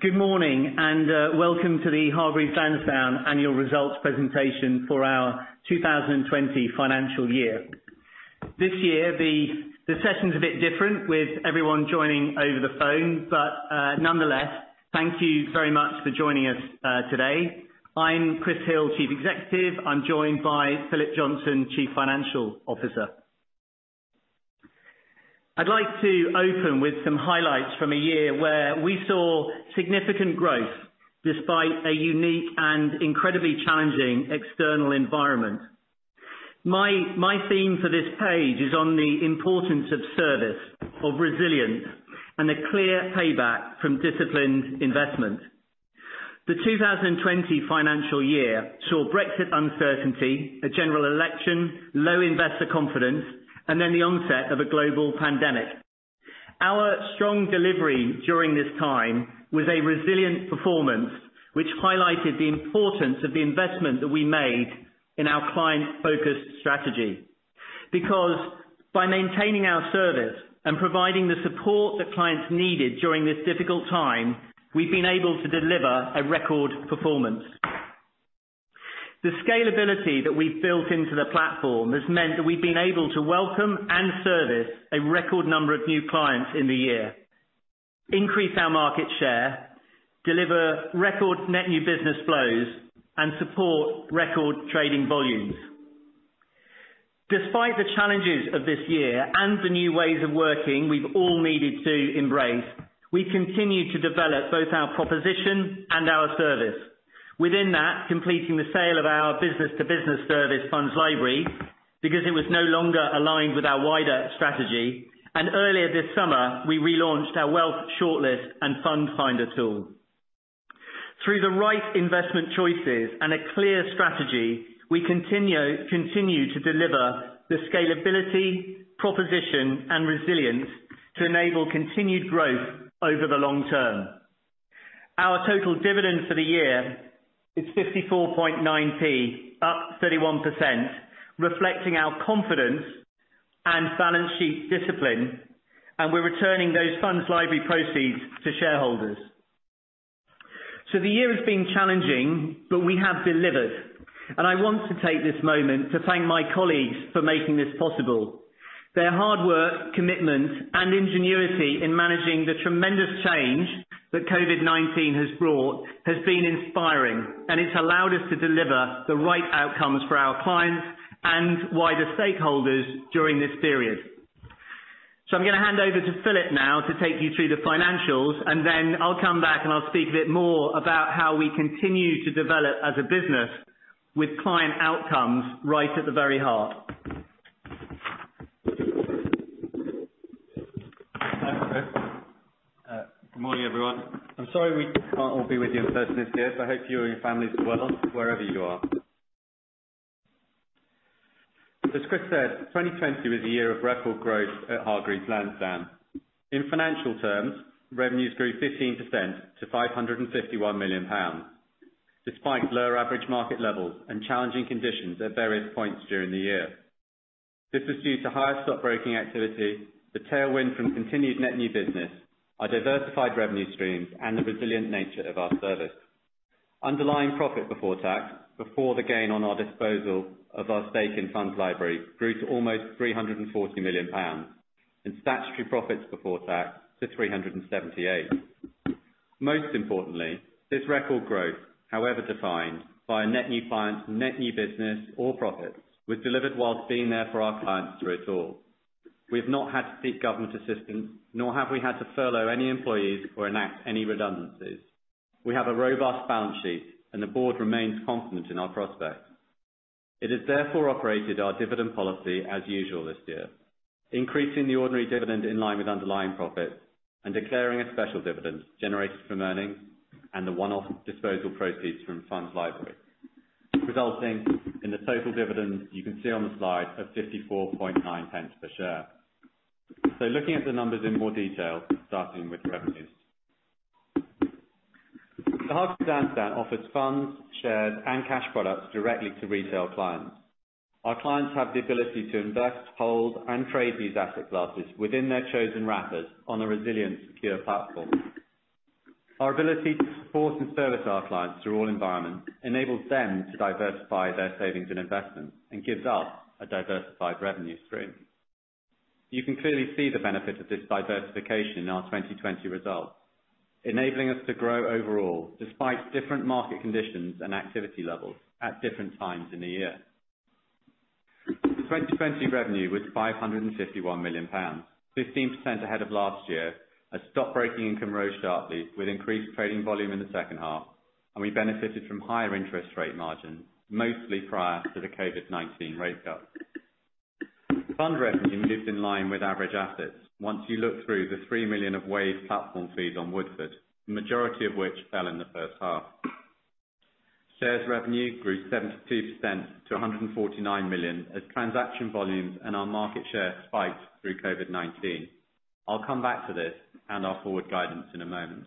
Good morning. Welcome to the Hargreaves Lansdown annual results presentation for our 2020 financial year. This year, the session's a bit different with everyone joining over the phone. Nonetheless, thank you very much for joining us today. I'm Chris Hill, Chief Executive. I'm joined by Philip Johnson, Chief Financial Officer. I'd like to open with some highlights from a year where we saw significant growth despite a unique and incredibly challenging external environment. My theme for this page is on the importance of service, of resilience, and a clear payback from disciplined investment. The 2020 financial year saw Brexit uncertainty, a general election, low investor confidence, and then the onset of a global pandemic. Our strong delivery during this time was a resilient performance, which highlighted the importance of the investment that we made in our client-focused strategy. By maintaining our service and providing the support that clients needed during this difficult time, we've been able to deliver a record performance. The scalability that we've built into the platform has meant that we've been able to welcome and service a record number of new clients in the year, increase our market share, deliver record net new business flows, and support record trading volumes. Despite the challenges of this year and the new ways of working we've all needed to embrace, we continue to develop both our proposition and our service. Within that, completing the sale of our business-to-business service, FundsLibrary, because it was no longer aligned with our wider strategy. Earlier this summer, we relaunched our Wealth Shortlist and fund finder tool. Through the right investment choices and a clear strategy, we continue to deliver the scalability, proposition, and resilience to enable continued growth over the long term. Our total dividend for the year is 0.549, up 31%, reflecting our confidence and balance sheet discipline. We're returning those FundsLibrary proceeds to shareholders. The year has been challenging, but we have delivered, and I want to take this moment to thank my colleagues for making this possible. Their hard work, commitment, and ingenuity in managing the tremendous change that COVID-19 has brought has been inspiring. It's allowed us to deliver the right outcomes for our clients and wider stakeholders during this period. I'm going to hand over to Philip now to take you through the financials. Then I'll come back. I'll speak a bit more about how we continue to develop as a business with client outcomes right at the very heart. Thanks, Chris. Good morning, everyone. I'm sorry we can't all be with you in person this year, so I hope you and your families are well wherever you are. As Chris said, 2020 was a year of record growth at Hargreaves Lansdown. In financial terms, revenues grew 15% to 551 million pounds, despite lower average market levels and challenging conditions at various points during the year. This was due to higher stockbroking activity, the tailwind from continued net new business, our diversified revenue streams, and the resilient nature of our service. Underlying profit before tax, before the gain on our disposal of our stake in FundsLibrary, grew to almost 340 million pounds, and statutory profits before tax to 378 million. Most importantly, this record growth, however defined, by net new clients, net new business or profits, was delivered whilst being there for our clients through it all. We've not had to seek government assistance, nor have we had to furlough any employees or enact any redundancies. We have a robust balance sheet and the board remains confident in our prospects. It has therefore operated our dividend policy as usual this year, increasing the ordinary dividend in line with underlying profits and declaring a special dividend generated from earnings and the one-off disposal proceeds from FundsLibrary, resulting in the total dividend you can see on the slide of 0.549 per share. Looking at the numbers in more detail, starting with revenues. Hargreaves Lansdown offers funds, shares, and cash products directly to retail clients. Our clients have the ability to invest, hold, and trade these asset classes within their chosen wrappers on a resilient, secure platform. Our ability to support and service our clients through all environments enables them to diversify their savings and investments, and gives us a diversified revenue stream. You can clearly see the benefit of this diversification in our 2020 results, enabling us to grow overall despite different market conditions and activity levels at different times in the year. 2020 revenue was 551 million pounds, 15% ahead of last year as stockbroking income rose sharply with increased trading volume in the second half, and we benefited from higher interest rate margins, mostly prior to the COVID-19 rate cut. Fund revenue moved in line with average assets, once you look through the 3 million of waived platform fees on Neil, the majority of which fell in the first half. Shares revenue grew 72% to 149 million as transaction volumes and our market share spiked through COVID-19. I'll come back to this and our forward guidance in a moment.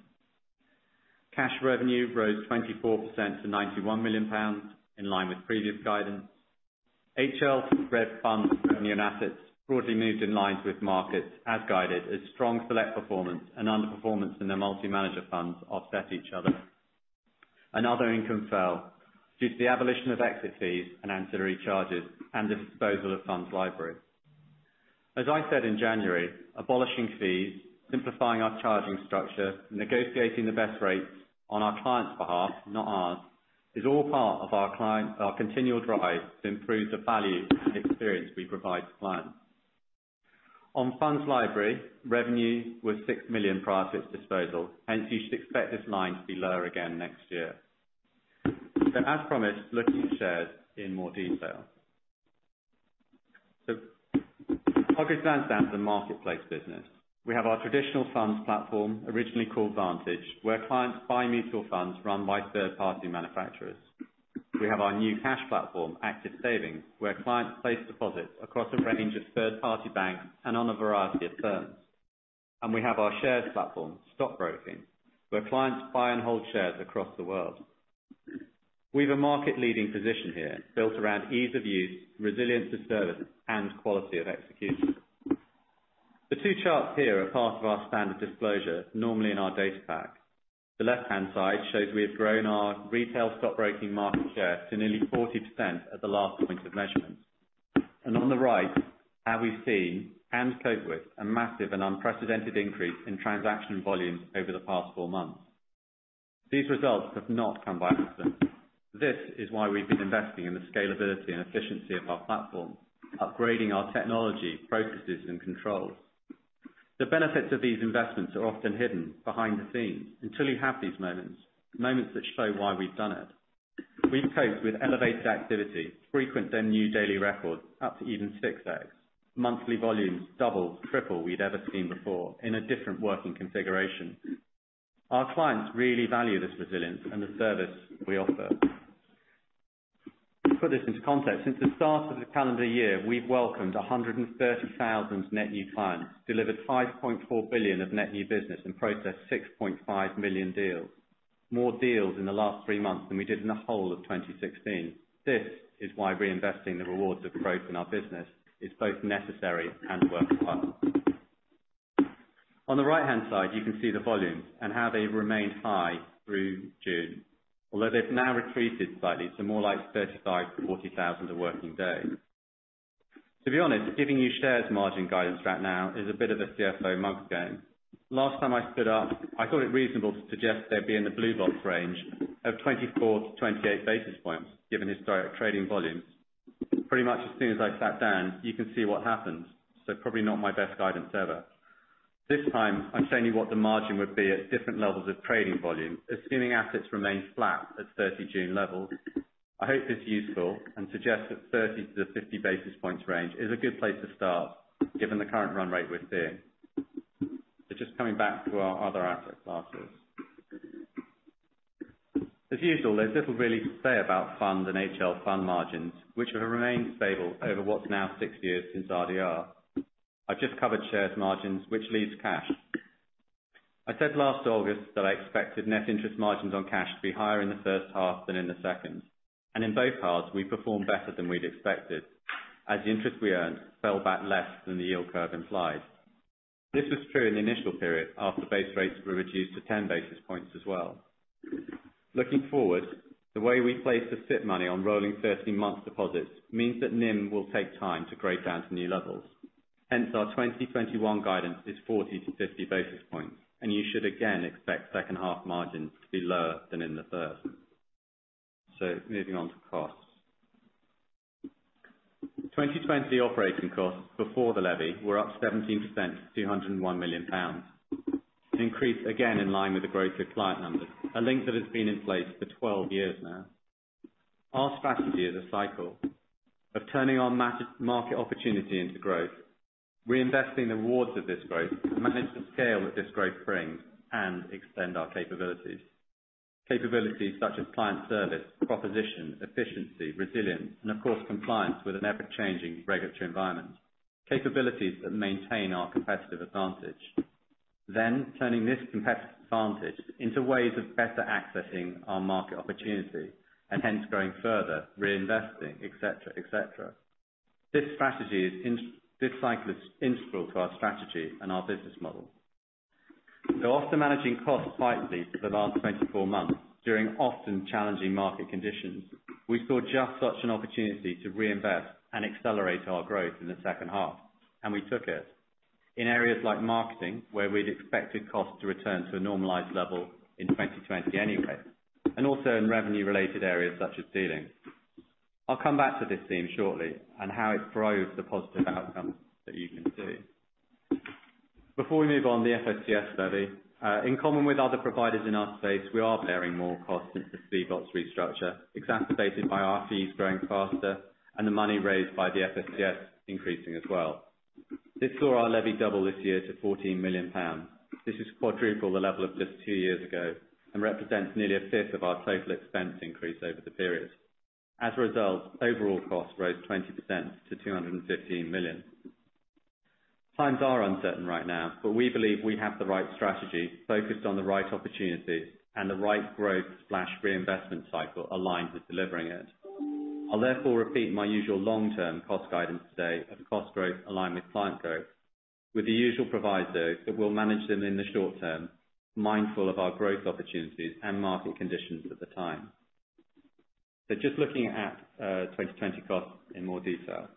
Cash revenue rose 24% to 91 million pounds, in line with previous guidance. HL spread funds from new assets broadly moved in line with markets as guided as strong select performance and underperformance in their multi-manager funds offset each other. Other income fell due to the abolition of exit fees and ancillary charges and the disposal of FundsLibrary. As I said in January, abolishing fees, simplifying our charging structure, negotiating the best rates on our clients' behalf, not ours, is all part of our continual drive to improve the value and experience we provide to clients. On FundsLibrary, revenue was 6 million prior to its disposal, hence you should expect this line to be lower again next year. As promised, looking at shares in more detail. Hargreaves Lansdown is a marketplace business. We have our traditional funds platform, originally called Vantage, where clients buy mutual funds run by third-party manufacturers. We have our new cash platform, Active Savings, where clients place deposits across a range of third-party banks and on a variety of terms. We have our shares platform, stockbroking, where clients buy and hold shares across the world. We have a market-leading position here built around ease of use, resilience of service, and quality of execution. The two charts here are part of our standard disclosure, normally in our data pack. The left-hand side shows we have grown our retail stockbroking market share to nearly 40% at the last point of measurement. On the right, how we've seen and coped with a massive and unprecedented increase in transaction volumes over the past four months. These results have not come by accident. This is why we've been investing in the scalability and efficiency of our platform, upgrading our technology, processes, and controls. The benefits of these investments are often hidden behind the scenes until you have these moments that show why we've done it. We've coped with elevated activity, frequent then new daily records, up to even six days. Monthly volumes double, triple we'd ever seen before in a different working configuration. Our clients really value this resilience and the service we offer. To put this into context, since the start of the calendar year, we've welcomed 130,000 net new clients, delivered 5.4 billion of net new business and processed 6.5 million deals. More deals in the last three months than we did in the whole of 2016. This is why reinvesting the rewards of growth in our business is both necessary and welcome. On the right-hand side, you can see the volumes and how they've remained high through June. Although they've now retreated slightly to more like 35,000 to 40,000 a working day. To be honest, giving you shares margin guidance right now is a bit of a CFO mug game. Last time I stood up, I thought it reasonable to suggest they'd be in the blue box range of 24-28 basis points, given historic trading volumes. Pretty much as soon as I sat down, you can see what happened. Probably not my best guidance ever. This time I'm showing you what the margin would be at different levels of trading volume, assuming assets remain flat at 30 June levels. I hope this is useful and suggest that 30-50 basis points range is a good place to start, given the current run rate we're seeing. Just coming back to our other asset classes. As usual, there's little really to say about funds and HL Funds margins, which have remained stable over what's now six years since RDR. I've just covered shares margins, which leaves cash. I said last August that I expected net interest margins on cash to be higher in the first half than in the second. In both halves we performed better than we'd expected, as the interest we earned fell back less than the yield curve implied. This was true in the initial period after base rates were reduced to 10 basis points as well. Looking forward, the way we place the SIPP money on rolling 13 months deposits means that NIM will take time to grade down to new levels. Our 2021 guidance is 40 to 50 basis points, and you should again expect second half margins to be lower than in the first. Moving on to costs. 2020 operating costs before the levy were up 17% to 201 million pounds. An increase again in line with the growth of client numbers, a link that has been in place for 12 years now. Our strategy is a cycle of turning our market opportunity into growth, reinvesting the rewards of this growth, the management scale that this growth brings, and extend our capabilities. Capabilities such as client service, proposition, efficiency, resilience, and of course, compliance with an ever-changing regulatory environment. Capabilities that maintain our competitive advantage. Turning this competitive advantage into ways of better accessing our market opportunity, and hence growing further, reinvesting, et cetera. This cycle is integral to our strategy and our business model. After managing costs tightly for the last 24 months during often challenging market conditions, we saw just such an opportunity to reinvest and accelerate our growth in the second half, and we took it. In areas like marketing, where we'd expected costs to return to a normalized level in 2020 anyway, and also in revenue-related areas such as dealing. I'll come back to this theme shortly and how it drove the positive outcomes that you can see. Before we move on, the FSCS study. In common with other providers in our space, we are bearing more costs since the CBOTS restructure, exacerbated by our fees growing faster and the money raised by the FSCS increasing as well. This saw our levy double this year to 14 million pounds. This is quadruple the level of just two years ago and represents nearly a fifth of our total expense increase over the period. As a result, overall costs rose 20% to 215 million. Times are uncertain right now, but we believe we have the right strategy focused on the right opportunities and the right growth/reinvestment cycle aligned with delivering it. I'll therefore repeat my usual long-term cost guidance today of cost growth aligned with client growth, with the usual proviso that we'll manage them in the short term, mindful of our growth opportunities and market conditions at the time. Just looking at 2020 costs in more detail.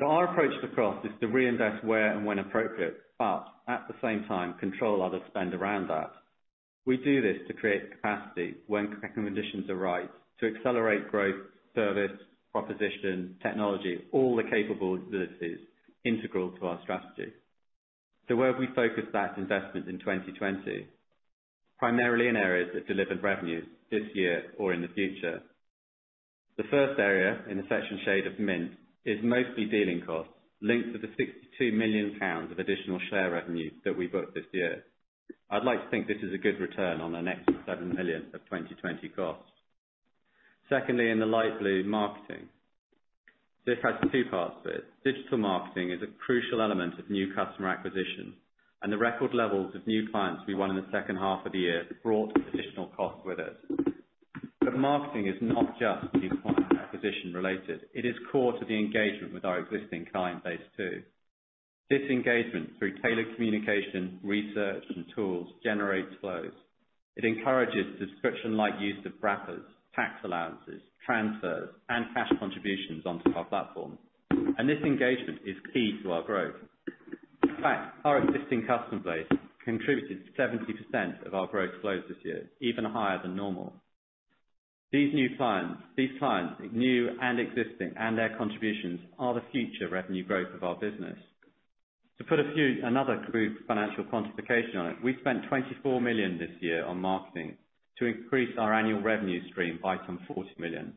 Our approach to costs is to reinvest where and when appropriate, but at the same time, control other spend around that. We do this to create capacity when conditions are right to accelerate growth, service, proposition, technology, all the capabilities integral to our strategy. Where have we focused that investment in 2020? Primarily in areas that delivered revenues this year or in the future. The first area in the section shade of mint is mostly dealing costs linked to the 62 million pounds of additional share revenue that we booked this year. I'd like to think this is a good return on an extra 7 million of 2020 costs. Secondly, in the light blue, marketing. This has two parts to it. Digital marketing is a crucial element of new customer acquisition, and the record levels of new clients we won in the second half of the year brought additional costs with it. Marketing is not just new client acquisition-related. It is core to the engagement with our existing client base too. This engagement through tailored communication, research, and tools, generates flows. It encourages prescription-like use of wrappers, tax allowances, transfers, and cash contributions onto our platform. This engagement is key to our growth. In fact, our existing customer base contributed 70% of our growth flows this year, even higher than normal. These clients, new and existing, and their contributions are the future revenue growth of our business. To put another crude financial quantification on it, we spent 24 million this year on marketing to increase our annual revenue stream by some 40 million.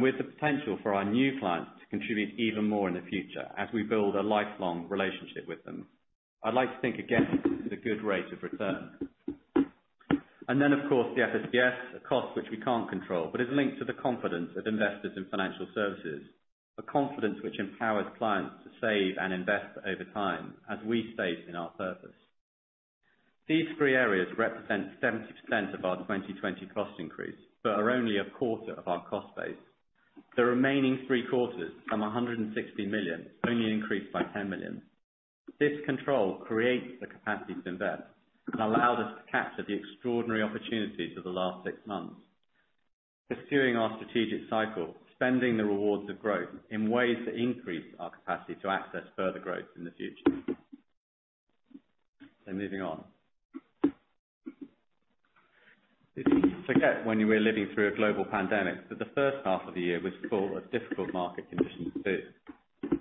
With the potential for our new clients to contribute even more in the future as we build a lifelong relationship with them, I'd like to think again, this is a good rate of return. Of course the FSCS, a cost which we can't control, but is linked to the confidence of investors in financial services, a confidence which empowers clients to save and invest over time as we state in our purpose. These three areas represent 70% of our 2020 cost increase, but are only a quarter of our cost base. The remaining three quarters, some 160 million, only increased by 10 million. This control creates the capacity to invest and allowed us to capture the extraordinary opportunities of the last six months. Pursuing our strategic cycle, spending the rewards of growth in ways that increase our capacity to access further growth in the future. Moving on. It's easy to forget when we're living through a global pandemic that the first half of the year was full of difficult market conditions too.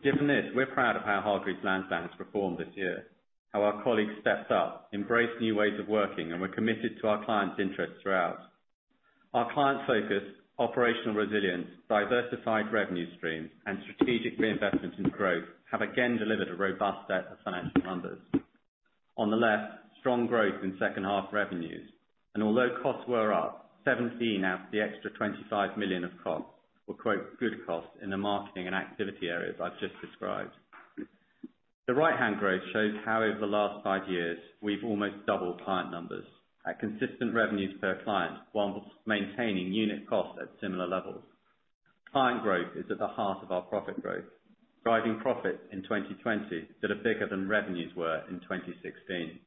Given this, we're proud of how Hargreaves Lansdown has performed this year, how our colleagues stepped up, embraced new ways of working, and were committed to our clients' interests throughout. Our client focus, operational resilience, diversified revenue streams, and strategic reinvestment in growth have again delivered a robust set of financial numbers. On the left, strong growth in second-half revenues. Although costs were up, 17 out of the extra 25 million of costs were, "Good costs in the marketing and activity areas I've just described." The right-hand graph shows how over the last five years we've almost doubled client numbers at consistent revenues per client while maintaining unit cost at similar levels. Client growth is at the heart of our profit growth, driving profits in 2020 that are bigger than revenues were in 2016.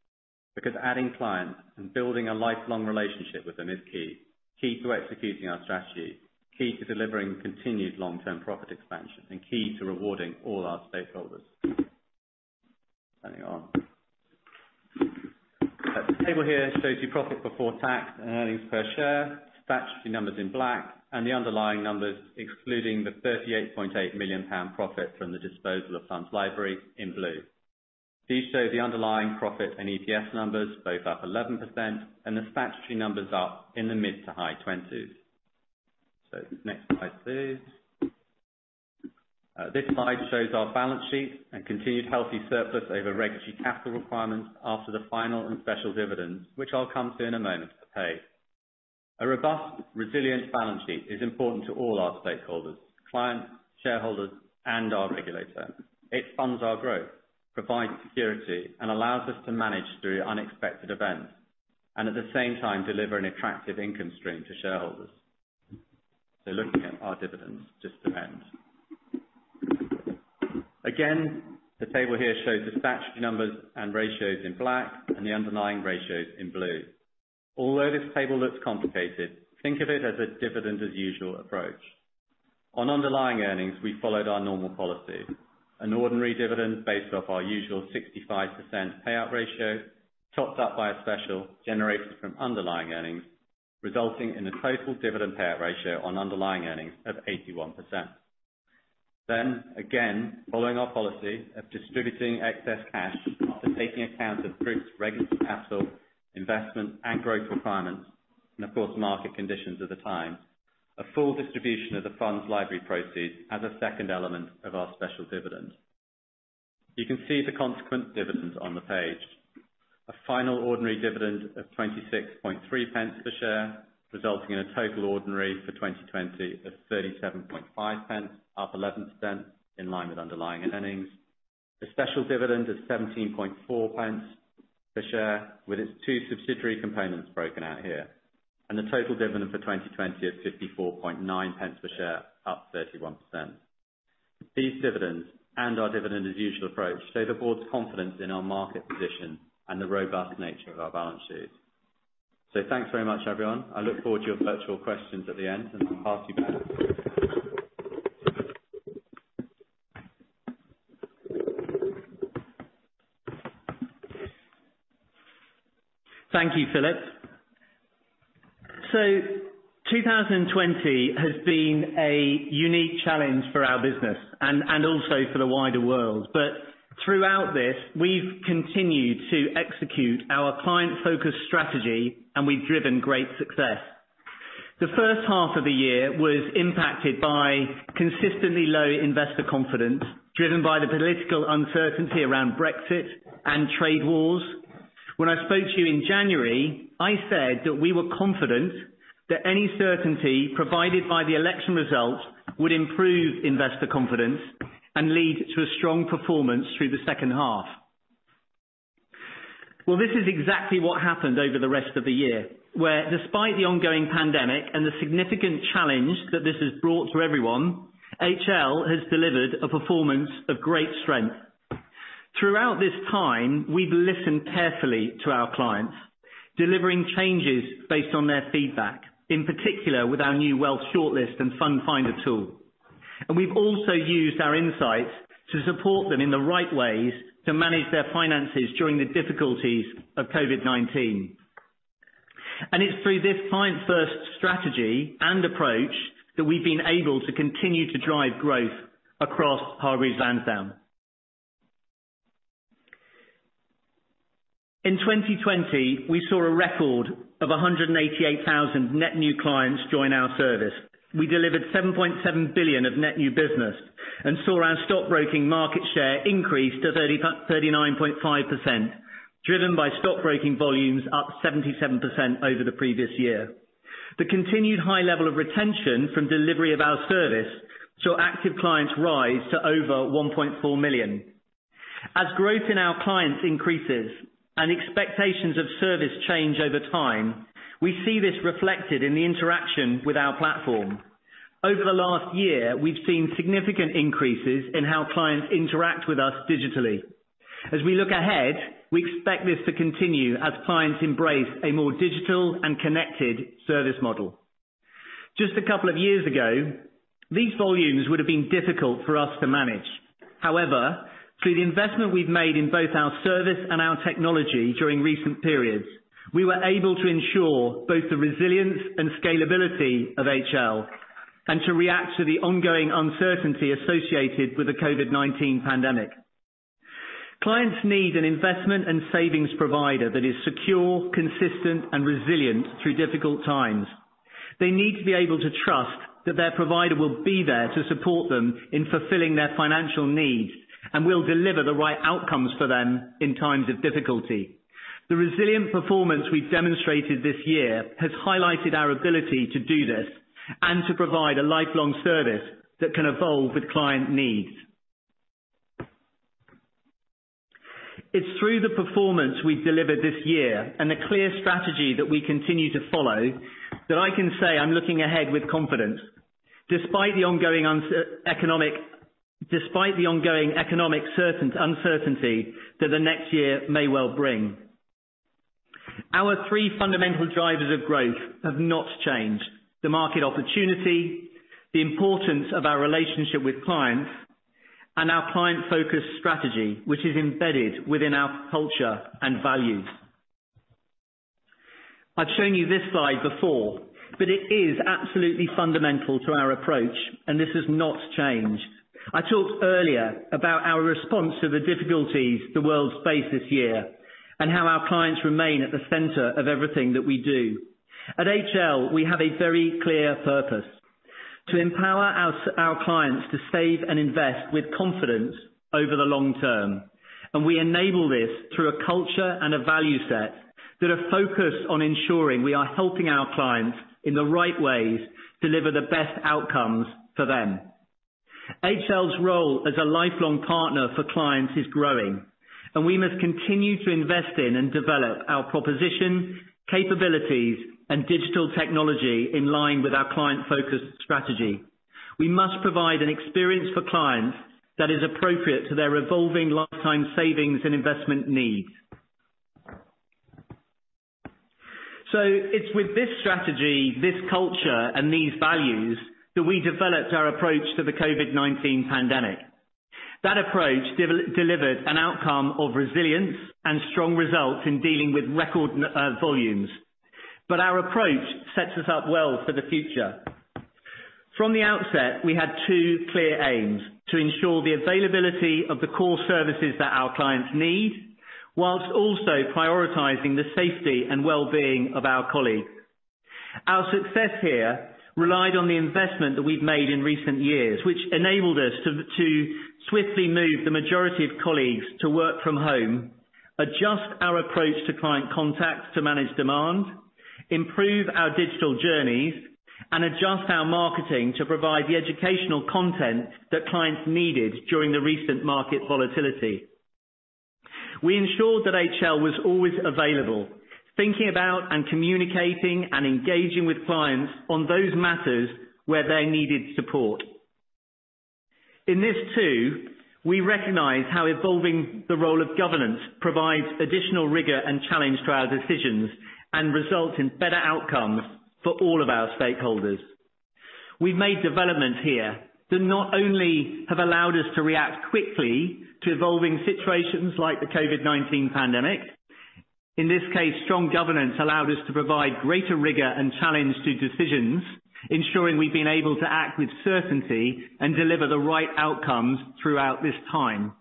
Adding clients and building a lifelong relationship with them is key. Key to executing our strategy, key to delivering continued long-term profit expansion, key to rewarding all our stakeholders. Carrying on. The table here shows you profit before tax and EPS, statutory numbers in black, and the underlying numbers excluding the 38.8 million pound profit from the disposal of FundsLibrary in blue. These show the underlying profit and EPS numbers both up 11%, and the statutory numbers up in the mid to high 20s. Next slide, please. This slide shows our balance sheet and continued healthy surplus over regulatory capital requirements after the final and special dividends, which I'll come to in a moment to pay. A robust, resilient balance sheet is important to all our stakeholders, clients, shareholders, and our regulator. It funds our growth, provides security, and allows us to manage through unexpected events, and at the same time, deliver an attractive income stream to shareholders. Looking at our dividends just to end. The table here shows the statutory numbers and ratios in black and the underlying ratios in blue. Although this table looks complicated, think of it as a dividend as usual approach. On underlying earnings, we followed our normal policy. An ordinary dividend based off our usual 65% payout ratio, topped up by a special generated from underlying earnings, resulting in a total dividend payout ratio on underlying earnings of 81%. Following our policy of distributing excess cash after taking account of group's regulatory capital, investment and growth requirements, and of course, market conditions at the time, a full distribution of the FundsLibrary proceeds as a second element of our special dividend. You can see the consequent dividends on the page. A final ordinary dividend of 0.263 per share, resulting in a total ordinary for 2020 of 0.375, up 0.11, in line with underlying earnings. A special dividend of 0.174 per share, with its two subsidiary components broken out here. The total dividend for 2020 of 0.549 per share, up 31%. These dividends, and our dividend as usual approach, show the board's confidence in our market position and the robust nature of our balance sheet. Thanks very much, everyone. I look forward to your virtual questions at the end, and pass you back. Thank you, Philip. 2020 has been a unique challenge for our business and also for the wider world. Throughout this, we've continued to execute our client-focused strategy, and we've driven great success. The first half of the year was impacted by consistently low investor confidence, driven by the political uncertainty around Brexit and trade wars. When I spoke to you in January, I said that we were confident that any certainty provided by the election result would improve investor confidence and lead to a strong performance through the second half. This is exactly what happened over the rest of the year, where despite the ongoing pandemic and the significant challenge that this has brought to everyone, HL has delivered a performance of great strength. Throughout this time, we've listened carefully to our clients, delivering changes based on their feedback, in particular with our new Wealth Shortlist and fund finder tool. We've also used our insights to support them in the right ways to manage their finances during the difficulties of COVID-19. It's through this client-first strategy and approach that we've been able to continue to drive growth across Hargreaves Lansdown. In 2020, we saw a record of 188,000 net new clients join our service. We delivered 7.7 billion of net new business and saw our stockbroking market share increase to 39.5%, driven by stockbroking volumes up 77% over the previous year. The continued high level of retention from delivery of our service saw active clients rise to over 1.4 million. As growth in our clients increases and expectations of service change over time, we see this reflected in the interaction with our platform. Over the last year, we've seen significant increases in how clients interact with us digitally. As we look ahead, we expect this to continue as clients embrace a more digital and connected service model. Just a couple of years ago, these volumes would have been difficult for us to manage. However, through the investment we've made in both our service and our technology during recent periods, we were able to ensure both the resilience and scalability of HL and to react to the ongoing uncertainty associated with the COVID-19 pandemic. Clients need an investment and savings provider that is secure, consistent, and resilient through difficult times. They need to be able to trust that their provider will be there to support them in fulfilling their financial needs and will deliver the right outcomes for them in times of difficulty. The resilient performance we've demonstrated this year has highlighted our ability to do this and to provide a lifelong service that can evolve with client needs. It's through the performance we've delivered this year and the clear strategy that we continue to follow that I can say I'm looking ahead with confidence, despite the ongoing economic uncertainty that the next year may well bring. Our three fundamental drivers of growth have not changed: the market opportunity, the importance of our relationship with clients, and our client-focused strategy, which is embedded within our culture and values. I've shown you this slide before, but it is absolutely fundamental to our approach, and this has not changed. I talked earlier about our response to the difficulties the world faced this year and how our clients remain at the center of everything that we do. At HL, we have a very clear purpose, to empower our clients to save and invest with confidence over the long term. We enable this through a culture and a value set that are focused on ensuring we are helping our clients in the right ways deliver the best outcomes for them. HL's role as a lifelong partner for clients is growing, and we must continue to invest in and develop our proposition, capabilities, and digital technology in line with our client-focused strategy. We must provide an experience for clients that is appropriate to their evolving lifetime savings and investment needs. It's with this strategy, this culture, and these values that we developed our approach to the COVID-19 pandemic. That approach delivered an outcome of resilience and strong results in dealing with record volumes. Our approach sets us up well for the future. From the outset, we had two clear aims, to ensure the availability of the core services that our clients need, whilst also prioritizing the safety and wellbeing of our colleagues. Our success here relied on the investment that we've made in recent years, which enabled us to swiftly move the majority of colleagues to work from home, adjust our approach to client contact to manage demand, improve our digital journeys, and adjust our marketing to provide the educational content that clients needed during the recent market volatility. We ensured that HL was always available, thinking about and communicating and engaging with clients on those matters where they needed support. In this too, we recognize how evolving the role of governance provides additional rigor and challenge to our decisions and results in better outcomes for all of our stakeholders. We've made developments here that not only have allowed us to react quickly to evolving situations like the COVID-19 pandemic. In this case, strong governance allowed us to provide greater rigor and challenge to decisions, ensuring we've been able to act with certainty and deliver the right outcomes throughout this time.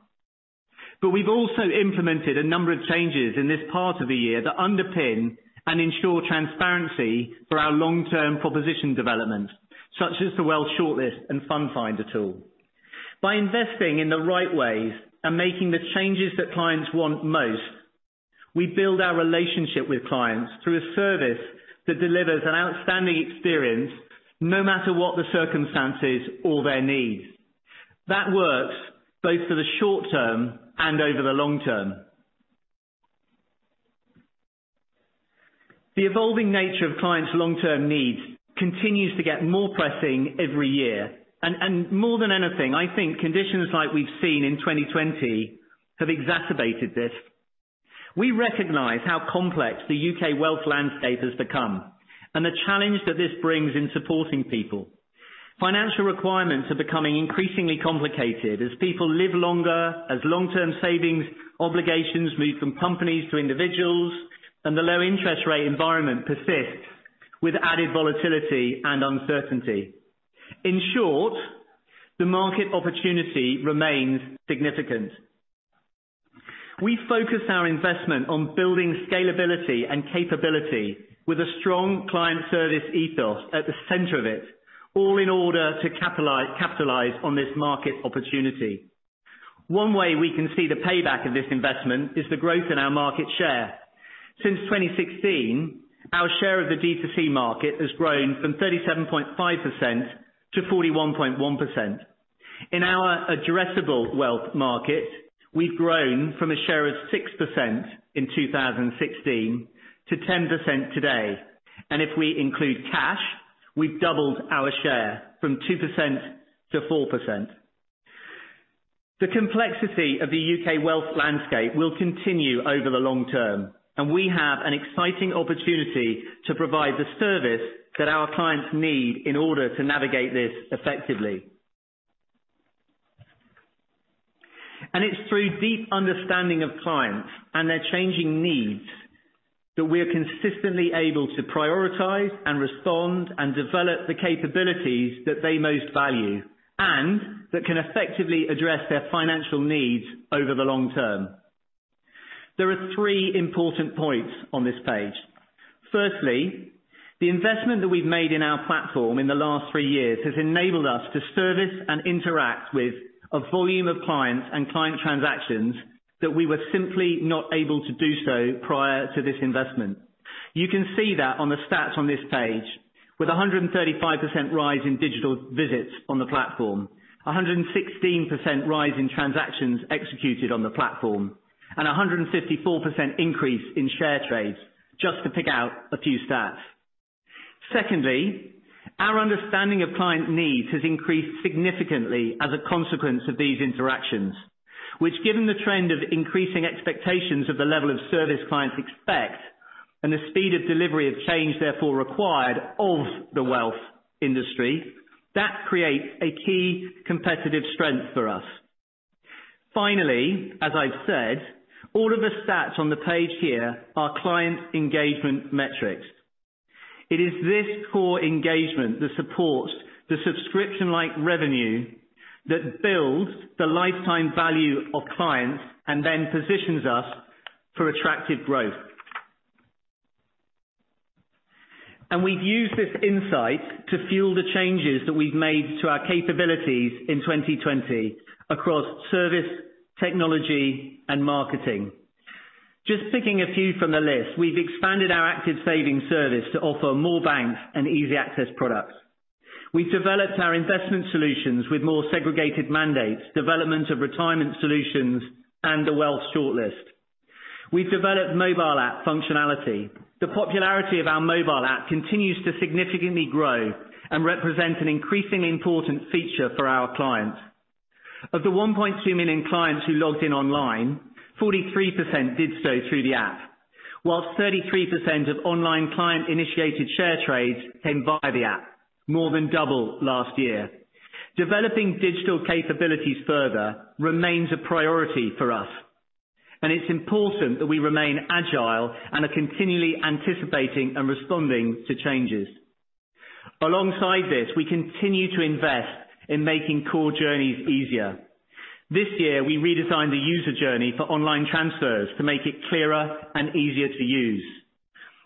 We've also implemented a number of changes in this part of the year that underpin and ensure transparency for our long-term proposition development, such as the Wealth Shortlist and Fund Find a tool. By investing in the right ways and making the changes that clients want most, we build our relationship with clients through a service that delivers an outstanding experience no matter what the circumstances or their needs. That works both for the short term and over the long term. The evolving nature of clients' long-term needs continues to get more pressing every year. More than anything, I think conditions like we've seen in 2020 have exacerbated this. We recognize how complex the U.K. wealth landscape has become and the challenge that this brings in supporting people. Financial requirements are becoming increasingly complicated as people live longer, as long-term savings obligations move from companies to individuals, and the low interest rate environment persists with added volatility and uncertainty. In short, the market opportunity remains significant. We focus our investment on building scalability and capability with a strong client service ethos at the center of it, all in order to capitalize on this market opportunity. One way we can see the payback of this investment is the growth in our market share. Since 2016, our share of the D2C market has grown from 37.5%-41.1%. In our addressable wealth market, we've grown from a share of 6% in 2016 to 10% today. If we include cash, we've doubled our share from 2%-4%. The complexity of the U.K. wealth landscape will continue over the long term, we have an exciting opportunity to provide the service that our clients need in order to navigate this effectively. It's through deep understanding of clients and their changing needs that we are consistently able to prioritize and respond and develop the capabilities that they most value and that can effectively address their financial needs over the long term. There are three important points on this page. Firstly, the investment that we've made in our platform in the last three years has enabled us to service and interact with a volume of clients and client transactions that we were simply not able to do so prior to this investment. You can see that on the stats on this page with 135% rise in digital visits on the platform, 116% rise in transactions executed on the platform, and 154% increase in share trades, just to pick out a few stats. Secondly, our understanding of client needs has increased significantly as a consequence of these interactions, which given the trend of increasing expectations of the level of service clients expect and the speed of delivery of change therefore required of the wealth industry, that creates a key competitive strength for us. Finally, as I've said, all of the stats on the page here are client engagement metrics. It is this core engagement that supports the subscription-like revenue that builds the lifetime value of clients and then positions us for attractive growth. We've used this insight to fuel the changes that we've made to our capabilities in 2020 across service, technology, and marketing. Just picking a few from the list, we've expanded our Active Savings service to offer more banks and easy access products. We've developed our investment solutions with more segregated mandates, development of retirement solutions, and the Wealth Shortlist. We've developed mobile app functionality. The popularity of our mobile app continues to significantly grow and represents an increasingly important feature for our clients. Of the 1.2 million clients who logged in online, 43% did so through the app, whilst 33% of online client-initiated share trades came via the app, more than double last year. Developing digital capabilities further remains a priority for us, and it's important that we remain agile and are continually anticipating and responding to changes. Alongside this, we continue to invest in making core journeys easier. This year, we redesigned the user journey for online transfers to make it clearer and easier to use.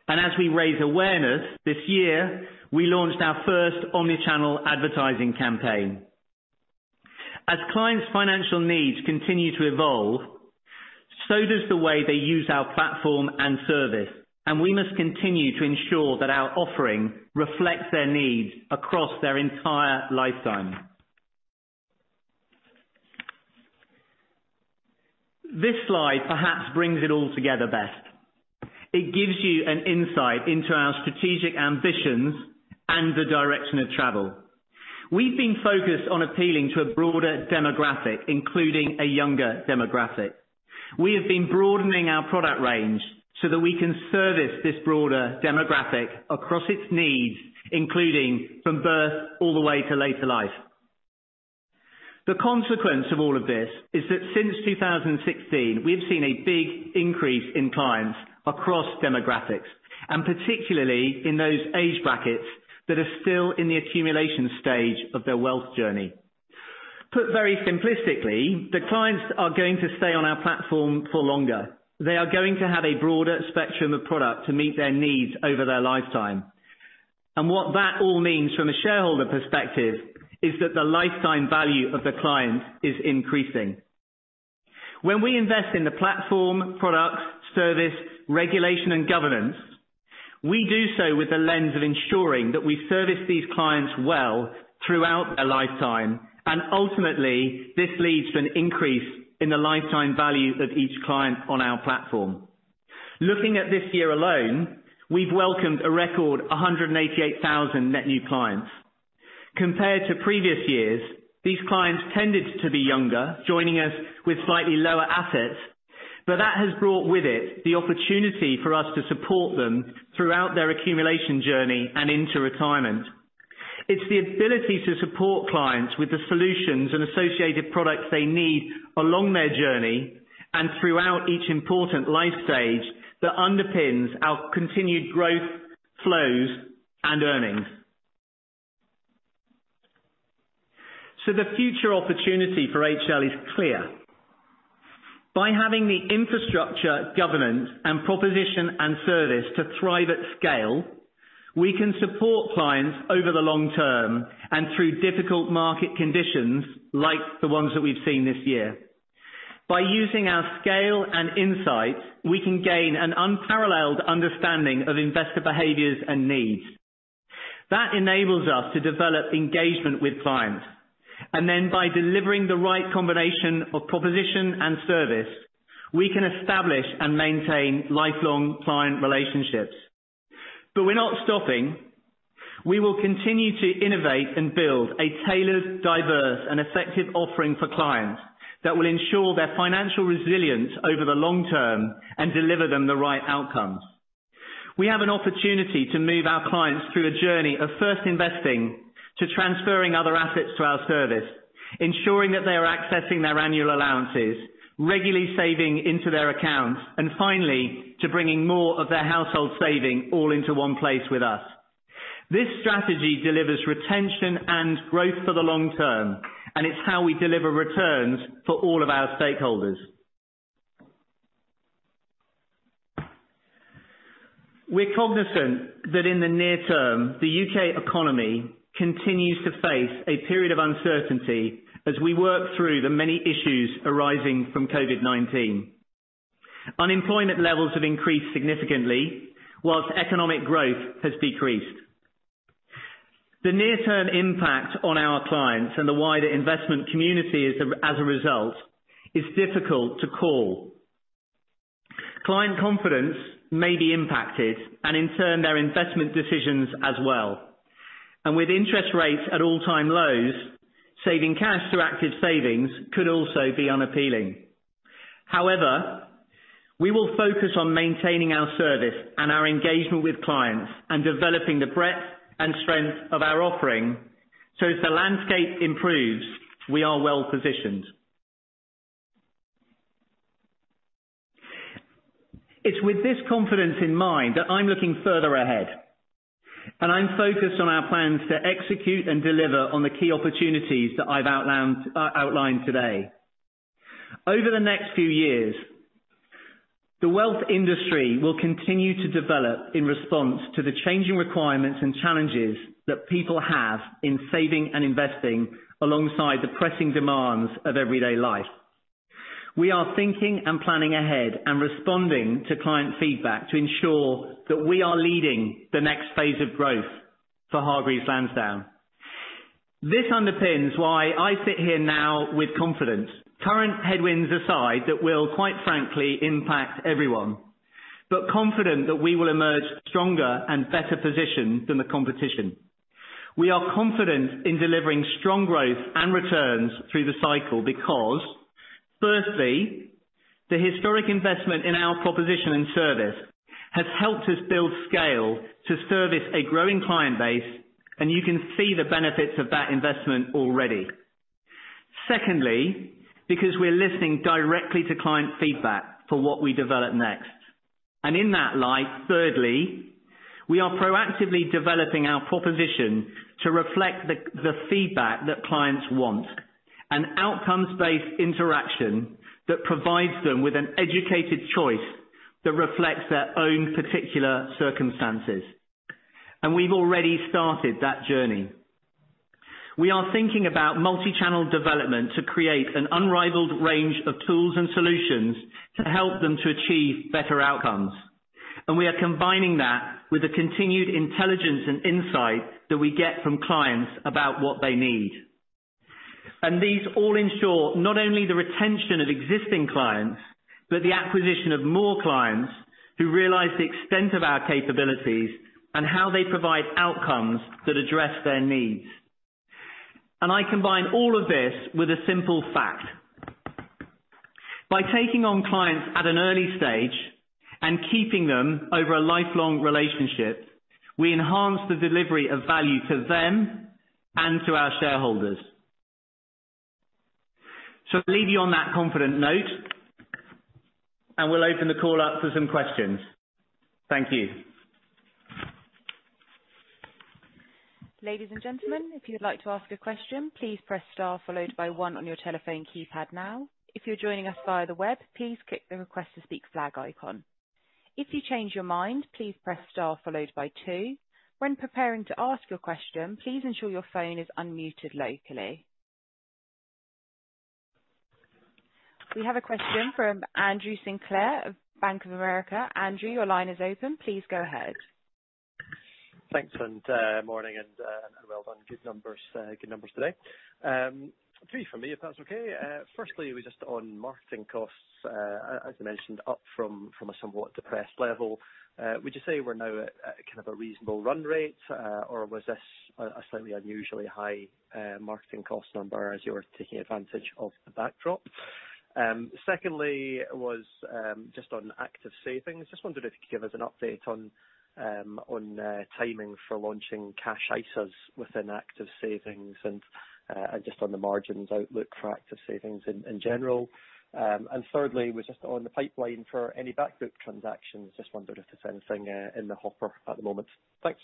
As we raise awareness this year, we launched our first omni-channel advertising campaign. As clients' financial needs continue to evolve, so does the way they use our platform and service, and we must continue to ensure that our offering reflects their needs across their entire lifetime. This slide perhaps brings it all together best. It gives you an insight into our strategic ambitions and the direction of travel. We've been focused on appealing to a broader demographic, including a younger demographic. We have been broadening our product range so that we can service this broader demographic across its needs, including from birth all the way to later life. The consequence of all of this is that since 2016, we've seen a big increase in clients across demographics, and particularly in those age brackets that are still in the accumulation stage of their wealth journey. Put very simplistically, the clients are going to stay on our platform for longer. They are going to have a broader spectrum of product to meet their needs over their lifetime. What that all means from a shareholder perspective is that the lifetime value of the client is increasing. When we invest in the platform, product, service, regulation, and governance, we do so with the lens of ensuring that we service these clients well throughout their lifetime. Ultimately, this leads to an increase in the lifetime value of each client on our platform. Looking at this year alone, we've welcomed a record 188,000 net new clients. Compared to previous years, these clients tended to be younger, joining us with slightly lower assets. That has brought with it the opportunity for us to support them throughout their accumulation journey and into retirement. It's the ability to support clients with the solutions and associated products they need along their journey and throughout each important life stage that underpins our continued growth flows and earnings. The future opportunity for HL is clear. By having the infrastructure, governance, and proposition and service to thrive at scale, we can support clients over the long term and through difficult market conditions like the ones that we've seen this year. By using our scale and insight, we can gain an unparalleled understanding of investor behaviors and needs. That enables us to develop engagement with clients. Then by delivering the right combination of proposition and service, we can establish and maintain lifelong client relationships. We're not stopping. We will continue to innovate and build a tailored, diverse, and effective offering for clients that will ensure their financial resilience over the long term and deliver them the right outcomes. We have an opportunity to move our clients through a journey of first investing, to transferring other assets to our service, ensuring that they are accessing their annual allowances, regularly saving into their accounts, and finally, to bringing more of their household saving all into one place with us. This strategy delivers retention and growth for the long term, it's how we deliver returns for all of our stakeholders. We're cognizant that in the near term, the U.K. economy continues to face a period of uncertainty as we work through the many issues arising from COVID-19. Unemployment levels have increased significantly, whilst economic growth has decreased. The near-term impact on our clients and the wider investment community as a result is difficult to call. Client confidence may be impacted and in turn, their investment decisions as well. With interest rates at all-time lows, saving cash through Active Savings could also be unappealing. However, we will focus on maintaining our service and our engagement with clients and developing the breadth and strength of our offering, if the landscape improves, we are well-positioned. It's with this confidence in mind that I'm looking further ahead, I'm focused on our plans to execute and deliver on the key opportunities that I've outlined today. Over the next few years, the wealth industry will continue to develop in response to the changing requirements and challenges that people have in saving and investing alongside the pressing demands of everyday life. We are thinking and planning ahead and responding to client feedback to ensure that we are leading the next phase of growth for Hargreaves Lansdown. This underpins why I sit here now with confidence. Current headwinds aside that will, quite frankly, impact everyone. Confident that we will emerge stronger and better positioned than the competition. We are confident in delivering strong growth and returns through the cycle because, firstly, the historic investment in our proposition and service has helped us build scale to service a growing client base, you can see the benefits of that investment already. Secondly, because we're listening directly to client feedback for what we develop next. In that light, thirdly, we are proactively developing our proposition to reflect the feedback that clients want, an outcomes-based interaction that provides them with an educated choice that reflects their own particular circumstances. We've already started that journey. We are thinking about multi-channel development to create an unrivaled range of tools and solutions to help them to achieve better outcomes. We are combining that with the continued intelligence and insight that we get from clients about what they need. These all ensure not only the retention of existing clients, but the acquisition of more clients who realize the extent of our capabilities and how they provide outcomes that address their needs. I combine all of this with a simple fact. By taking on clients at an early stage and keeping them over a lifelong relationship, we enhance the delivery of value to them and to our shareholders. I'll leave you on that confident note, and we'll open the call up for some questions. Thank you. Ladies and gentlemen, if you'd like to ask a question, please press Star followed by one on your telephone keypad now. If you're joining us via the web, please click the Request to Speak flag icon. If you change your mind, please press Star followed by two. When preparing to ask your question, please ensure your phone is unmuted locally. We have a question from Andrew Sinclair of Bank of America. Andrew, your line is open. Please go ahead. Thanks, morning, and well done. Good numbers today. Three from me, if that's okay. Firstly, just on marketing costs, as you mentioned, up from a somewhat depressed level. Would you say we're now at kind of a reasonable run rate? Or was this a slightly unusually high marketing cost number as you were taking advantage of the backdrop? Secondly was just on Active Savings. Just wondered if you could give us an update on timing for launching cash ISAs within Active Savings and just on the margins outlook for Active Savings in general. Thirdly was just on the pipeline for any back book transactions. Just wondered if there's anything in the hopper at the moment. Thanks.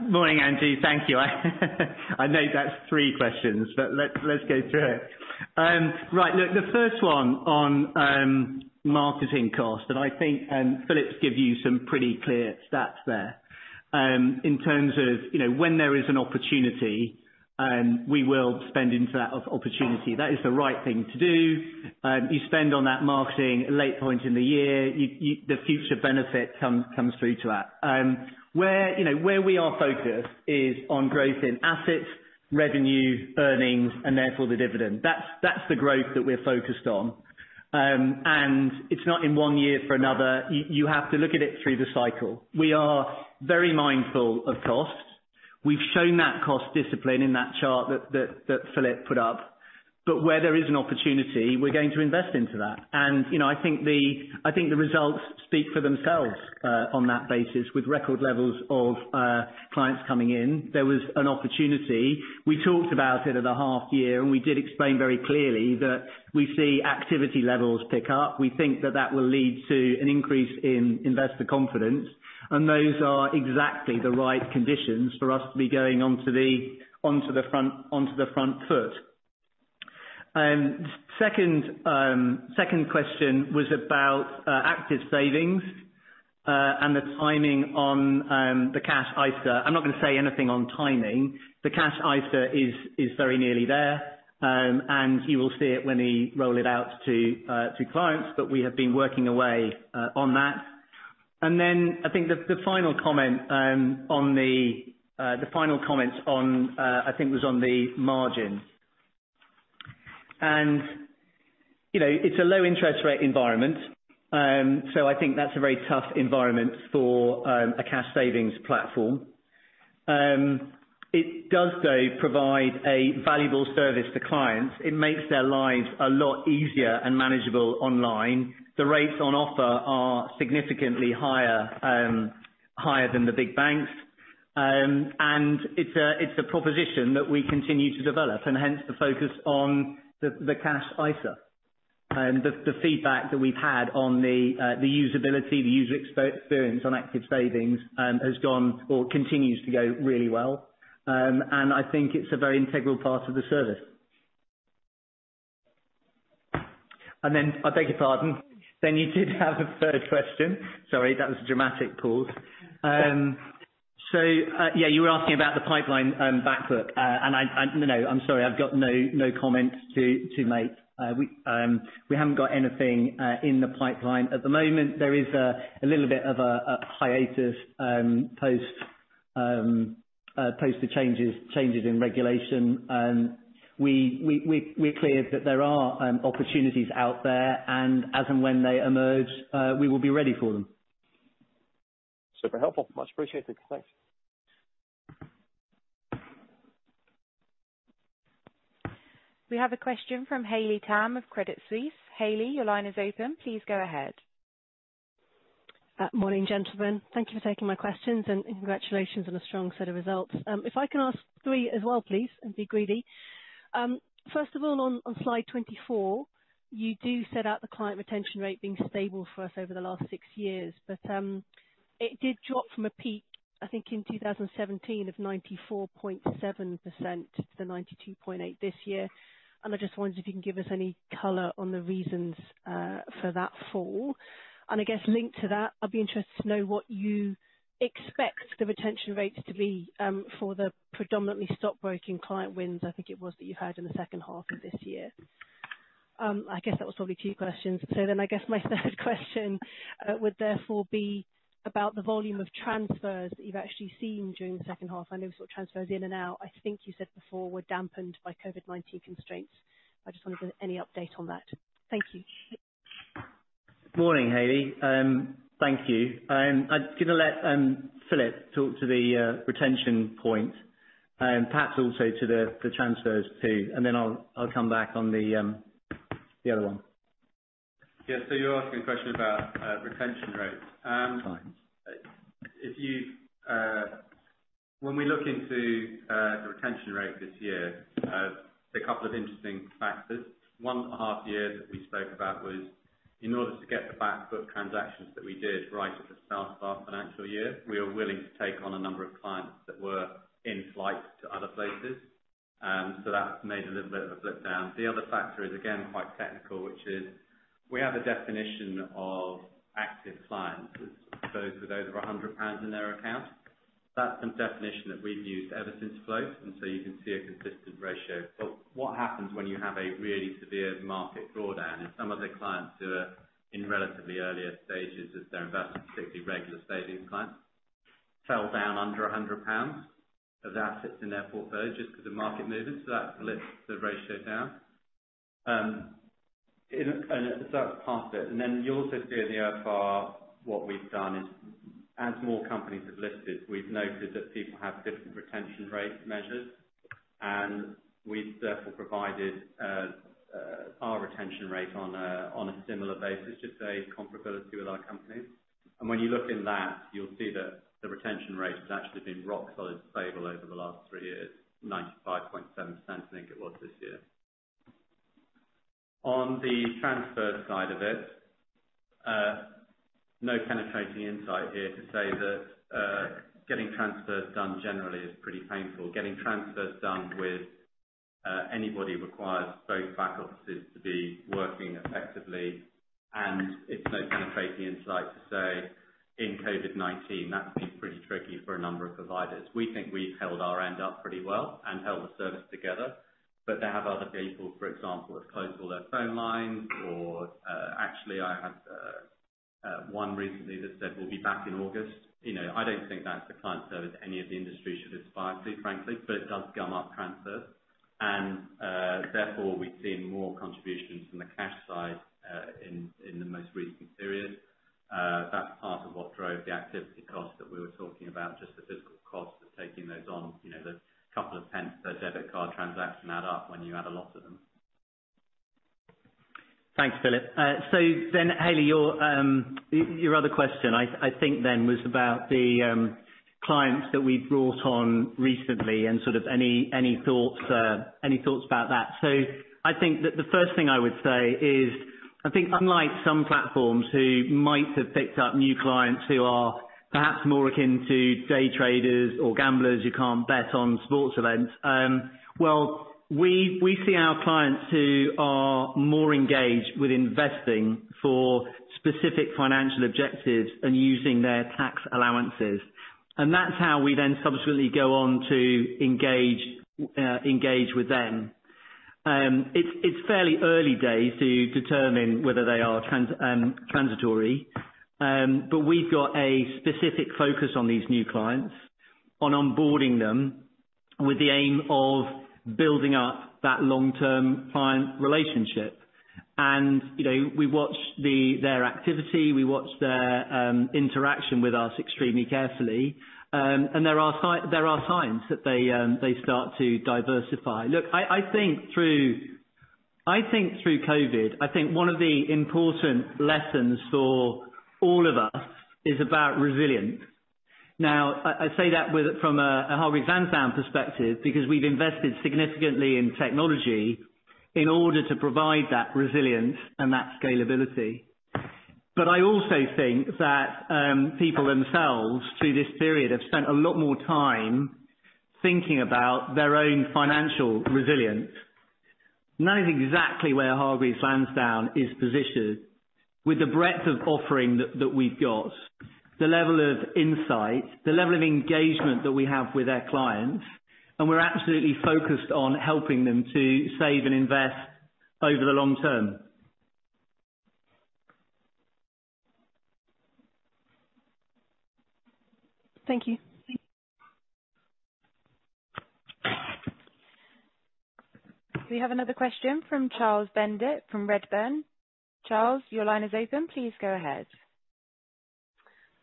Morning, Andrew. Thank you. I know that's three questions, let's go through it. Right. Look, the first one on marketing costs, I think Philip's given you some pretty clear stats there. In terms of when there is an opportunity, we will spend into that opportunity. That is the right thing to do. You spend on that marketing late point in the year. The future benefit comes through to that. Where we are focused is on growth in assets, revenue, earnings, and therefore, the dividend. That's the growth that we're focused on. It's not in one year for another. You have to look at it through the cycle. We are very mindful of costs. We've shown that cost discipline in that chart that Philip put up. Where there is an opportunity, we're going to invest into that. I think the results speak for themselves on that basis with record levels of clients coming in. There was an opportunity. We talked about it at the half year, we did explain very clearly that we see activity levels pick up. We think that that will lead to an increase in investor confidence, those are exactly the right conditions for us to be going onto the front foot. Second question was about Active Savings, and the timing on the cash ISA. I'm not going to say anything on timing. The cash ISA is very nearly there, you will see it when we roll it out to clients. We have been working away on that. I think the final comments was on the margin. It's a low interest rate environment. I think that's a very tough environment for a cash savings platform. It does, though, provide a valuable service to clients. It makes their lives a lot easier and manageable online. The rates on offer are significantly higher than the big banks. It's a proposition that we continue to develop, and hence the focus on the cash ISA. The feedback that we've had on the usability, the user experience on Active Savings has gone or continues to go really well. I think it's a very integral part of the service. I beg your pardon. You did have a third question. Sorry, that was a dramatic pause. You were asking about the pipeline back book, I'm sorry, I've got no comments to make. We haven't got anything in the pipeline at the moment. There is a little bit of a hiatus post the changes in regulation. We're clear that there are opportunities out there, as and when they emerge, we will be ready for them. Super helpful. Much appreciated. Thanks. We have a question from Haley Tam of Credit Suisse. Haley, your line is open. Please go ahead. Morning, gentlemen. Thank you for taking my questions. Congratulations on a strong set of results. If I can ask three as well, please, and be greedy. First of all, on slide 24, you do set out the client retention rate being stable for us over the last six years. It did drop from a peak, I think, in 2017 of 94.7% to the 92.8% this year. I just wondered if you can give us any color on the reasons for that fall. I guess linked to that, I'd be interested to know what you expect the retention rates to be for the predominantly stockbroking client wins, I think it was, that you had in the second half of this year. I guess that was probably two questions. I guess my third question would therefore be about the volume of transfers that you've actually seen during the second half. I know transfers in and out, I think you said before, were dampened by COVID-19 constraints. I just wondered any update on that. Thank you. Morning, Haley. Thank you. I'm going to let Philip talk to the retention point, perhaps also to the transfers, too. I'll come back on the other one. Yeah. You're asking a question about retention rates. Fine. When we look into the retention rate this year, there are a couple of interesting factors. One half-year that we spoke about was in order to get the back-book transactions that we did right at the start of our financial year, we were willing to take on a number of clients that were in flight to other places. That's made a little bit of a flip down. The other factor is, again, quite technical, which is we have a definition of active clients as those with over 100 pounds in their account. That's the definition that we've used ever since float, you can see a consistent ratio. What happens when you have a really severe market drawdown and some of the clients who are in relatively earlier stages of their investment, particularly regular savings clients, fell down under 100 pounds of assets in their portfolio just because of market movements. That pulls the ratio down. That's part of it. Then you also see in the OFR what we've done is as more companies have listed, we've noted that people have different retention rate measures, and we've therefore provided our retention rate on a similar basis, just a comparability with other companies. When you look in that, you'll see that the retention rate has actually been rock solid stable over the last three years, 95.7%, I think it was this year. On the transfer side of it, no penetrating insight here to say that getting transfers done generally is pretty painful. Getting transfers done with anybody requires both back offices to be working effectively, and it's no penetrating insight to say in COVID-19, that's been pretty tricky for a number of providers. We think we've held our end up pretty well and held the service together. There have other people, for example, have closed all their phone lines. Actually I had one recently that said, "We'll be back in August." I don't think that's a client service any of the industry should aspire to, frankly, but it does gum up transfers. Therefore we've seen more contributions from the cash side in the most recent period. That's part of what drove the activity cost that we were talking about, just the physical cost of taking those on. The couple of pence per debit card transaction add up when you add a lot of them. Thanks, Philip. Haley, your other question, I think was about the clients that we brought on recently and sort of any thoughts about that. I think that the first thing I would say is, I think unlike some platforms who might have picked up new clients who are perhaps more akin to day traders or gamblers who can't bet on sports events. We see our clients who are more engaged with investing for specific financial objectives and using their tax allowances. That's how we then subsequently go on to engage with them. It's fairly early days to determine whether they are transitory. We've got a specific focus on these new clients, on onboarding them with the aim of building up that long-term client relationship. We watch their activity, we watch their interaction with us extremely carefully. There are signs that they start to diversify. I think through COVID, I think one of the important lessons for all of us is about resilience. I say that from a Hargreaves Lansdown perspective because we've invested significantly in technology in order to provide that resilience and that scalability. I also think that people themselves through this period have spent a lot more time thinking about their own financial resilience. That is exactly where Hargreaves Lansdown is positioned with the breadth of offering that we've got, the level of insight, the level of engagement that we have with our clients, and we're absolutely focused on helping them to save and invest over the long term. Thank you. We have another question from Charles Bendit from Redburn. Charles, your line is open. Please go ahead.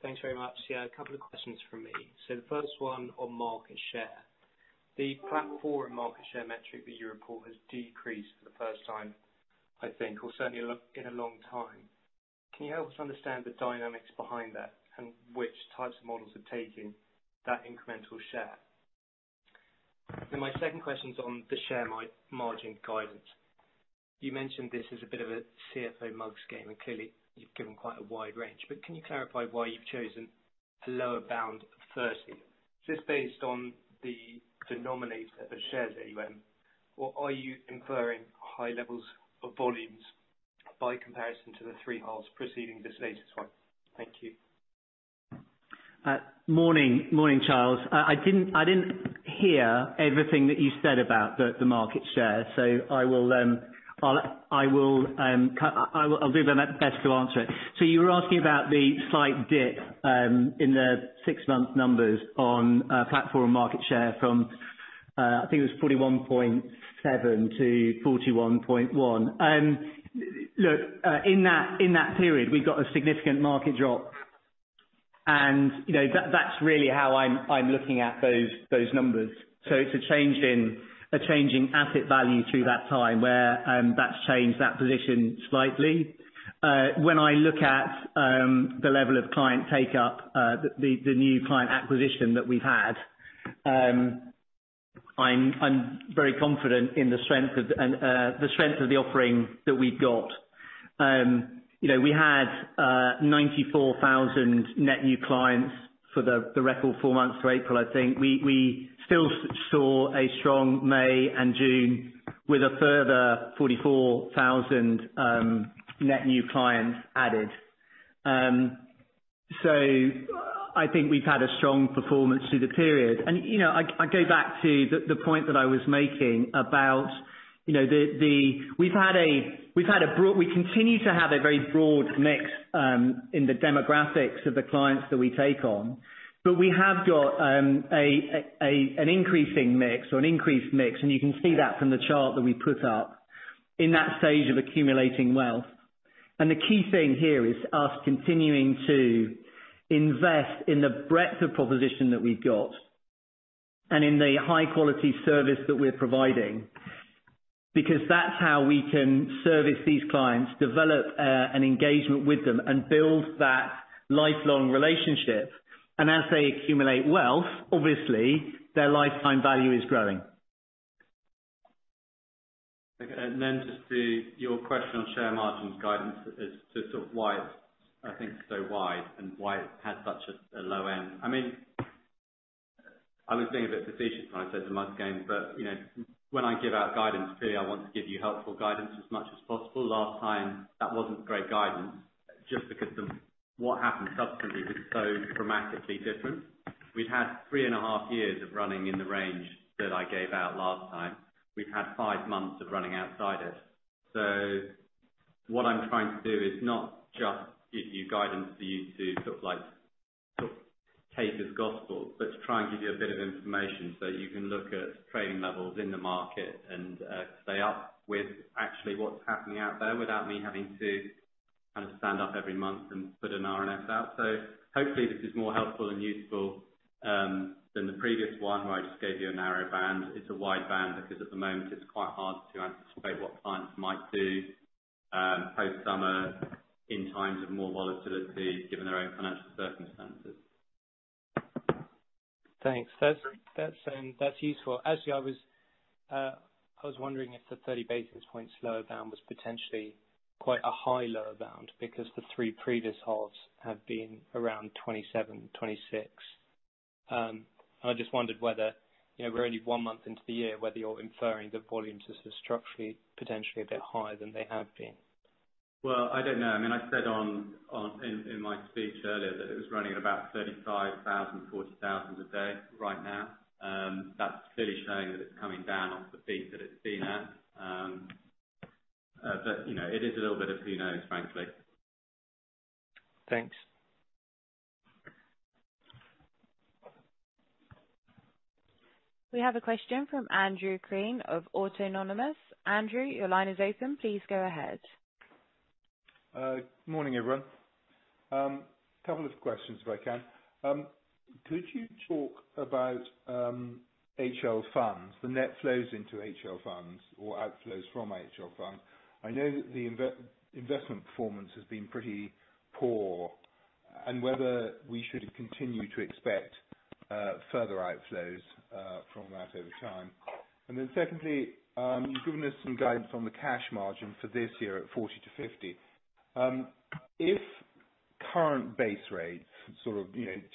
Thanks very much. Yeah, a couple of questions from me. The first one on market share. The platform market share metric that you report has decreased for the first time, I think, or certainly in a long time. Can you help us understand the dynamics behind that and which types of models are taking that incremental share? My second question's on the share margin guidance. You mentioned this as a bit of a CFO mugs game, and clearly you've given quite a wide range, but can you clarify why you've chosen a lower bound of 30? Is this based on the denominator of shares AUM, or are you inferring high levels of volumes by comparison to the three halves preceding this latest one? Thank you. Morning, Charles. I didn't hear everything that you said about the market share, I'll do my best to answer it. You were asking about the slight dip in the six-month numbers on platform market share from, I think it was 41.7% to 41.1%. Look, in that period, we got a significant market drop. That's really how I'm looking at those numbers. It's a change in asset value through that time where that's changed that position slightly. When I look at the level of client take-up, the new client acquisition that we've had, I'm very confident in the strength of the offering that we've got. We had 94,000 net new clients for the record four months to April, I think. We still saw a strong May and June with a further 44,000 net new clients added. I think we've had a strong performance through the period. I go back to the point that I was making about we continue to have a very broad mix in the demographics of the clients that we take on. We have got an increasing mix or an increased mix, and you can see that from the chart that we put up in that stage of accumulating wealth. The key thing here is us continuing to invest in the breadth of proposition that we've got and in the high-quality service that we're providing. Because that's how we can service these clients, develop an engagement with them, and build that lifelong relationship. As they accumulate wealth, obviously, their lifetime value is growing. Okay. Then just to your question on share margins guidance as to sort of why it's, I think, so wide and why it has such a low end. I was being a bit facetious when I said the mugs game. When I give out guidance, clearly, I want to give you helpful guidance as much as possible. Last time, that wasn't great guidance just because of what happened subsequently was so dramatically different. We've had three and a half years of running in the range that I gave out last time. We've had five months of running outside it. What I'm trying to do is not just give you guidance for you to take as gospel, but to try and give you a bit of information so you can look at trading levels in the market and stay up with actually what's happening out there without me having to stand up every month and put an RNS out. Hopefully this is more helpful and useful than the previous one where I just gave you a narrow band. It's a wide band because at the moment it's quite hard to anticipate what clients might do post-summer in times of more volatility given their own financial circumstances. Thanks. That's useful. Actually, I was wondering if the 30 basis points lower bound was potentially quite a high, lower bound because the three previous halves have been around 27, 26. I just wondered whether, we're only one month into the year, whether you're inferring the volumes are structurally potentially a bit higher than they have been. I don't know. I said in my speech earlier that it was running at about 35,000, 40,000 a day right now. That's clearly showing that it's coming down off the peak that it's been at. It is a little bit of who knows, frankly. Thanks. We have a question from Andrew Coombs of Autonomous. Andrew, your line is open. Please go ahead. Morning, everyone. Couple of questions if I can. Could you talk about HL Funds, the net flows into HL Funds or outflows from HL Funds? I know that the investment performance has been pretty poor and whether we should continue to expect further outflows from that over time. Secondly, you've given us some guidance on the cash margin for this year at 40-50. If current base rates sort of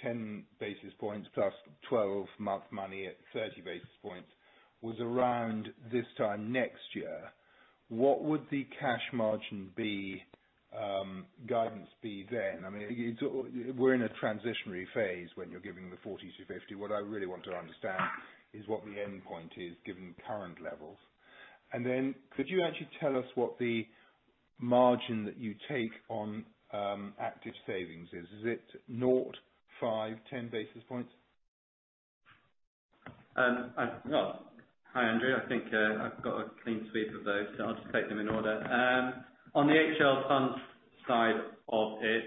10 basis points plus 12-month money at 30 basis points was around this time next year, what would the cash margin be, guidance be then? We're in a transitionary phase when you're giving the 40-50. What I really want to understand is what the endpoint is given current levels. Could you actually tell us what the margin that you take on Active Savings is? Is it 0, 5, 10 basis points? Hi, Andrew. I think I've got a clean sweep of those, I'll just take them in order. On the HL Fund side of it,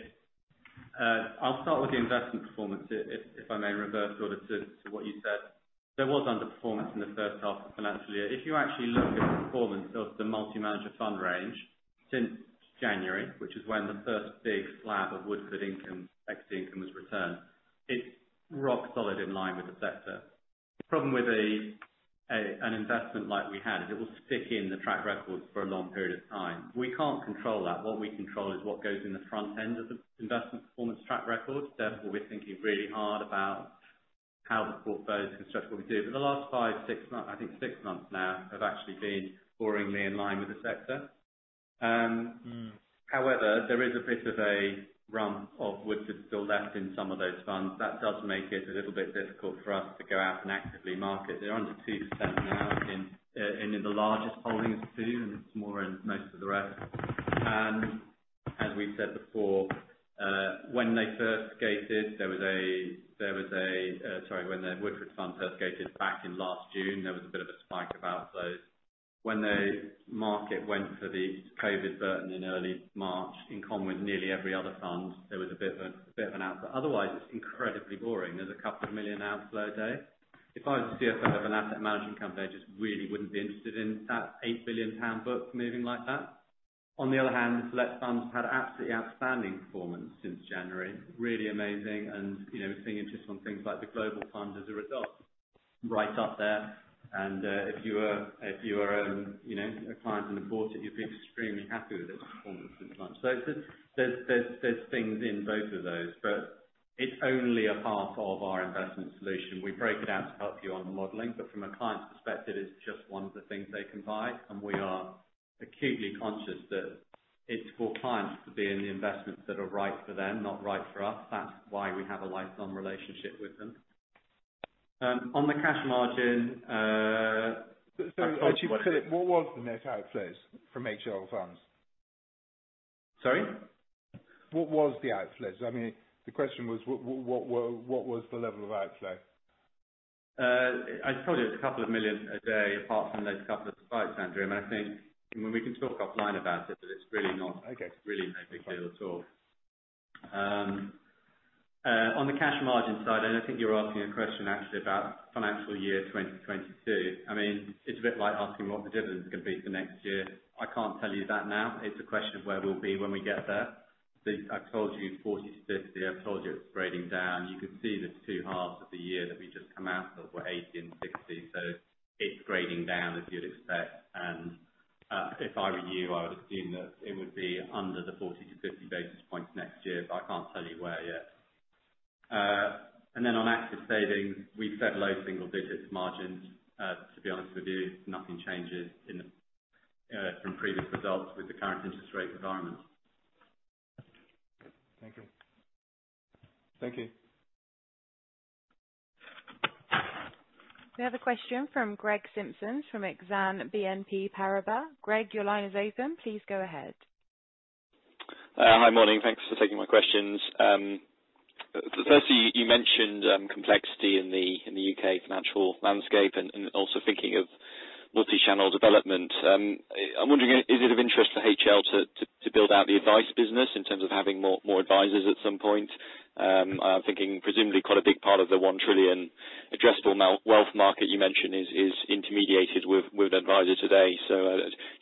I'll start with the investment performance, if I may reverse the order to what you said. There was underperformance in the first half of the financial year. If you actually look at the performance of the multi-manager fund range since January, which is when the first big slab of Woodford Equity Income Fund was returned, it's rock solid in line with the sector. The problem with an investment like we had is it will stick in the track record for a long period of time. We can't control that. What we control is what goes in the front end of the investment performance track record. We're thinking really hard about how the portfolio is constructed. What we do for the last five, six months, I think six months now, have actually been boringly in line with the sector. There is a bit of a rump of Woodford still left in some of those funds. That does make it a little bit difficult for us to go out and actively market. They're under 2% now in the largest holdings of two, and it's more in most of the rest. As we've said before, when they first gated, when the Woodford Fund first gated back in last June, there was a bit of a spike of outflows. When the market went for the COVID-19 burden in early March, in common with nearly every other fund, there was a bit of an outflow. Otherwise, it's incredibly boring. There's a couple of million outflows a day. If I was a CFO of an asset management company, I just really wouldn't be interested in that 8 billion pound book moving like that. The Select funds had absolutely outstanding performance since January. Really amazing and seeing interest on things like the global fund as a result, right up there. If you are a client and have bought it, you'd be extremely happy with its performance since launch. There's things in both of those, but it's only a part of our investment solution. We break it out to help you on the modeling, but from a client's perspective, it's just one of the things they can buy. We are acutely conscious that it's for clients to be in the investments that are right for them, not right for us. That's why we have a lifelong relationship with them. On the cash margin- Actually, Philip, what was the net outflows from HL Funds? Sorry? What was the outflows? I mean, the question was, what was the level of outflow? I told you it's a couple of million GBP a day apart from those couple of spikes, Andrew. I think, when we can talk offline about it, but it's really not- Okay really no big deal at all. On the cash margin side, I think you're asking a question actually about financial year 2022. It's a bit like asking what the dividend is going to be for next year. I can't tell you that now. It's a question of where we'll be when we get there. I've told you 40 to 50. I've told you it's grading down. You can see the two halves of the year that we just come out of were 80 and 60, it's grading down as you'd expect. If I were you, I would assume that it would be under the 40 to 50 basis points next year, I can't tell you where yet. Then on Active Savings, we've said low single digits margins. To be honest with you, nothing changes from previous results with the current interest rate environment. Thank you. Thank you. We have a question from Greg Simpson from Exane BNP Paribas. Greg, your line is open. Please go ahead. Hi. Morning. Thanks for taking my questions. Yes. Firstly, you mentioned complexity in the U.K. financial landscape and also thinking of multi-channel development. I'm wondering, is it of interest for HL to build out the advice business in terms of having more advisors at some point? I'm thinking presumably quite a big part of the 1 trillion addressable wealth market you mentioned is intermediated with advisor today.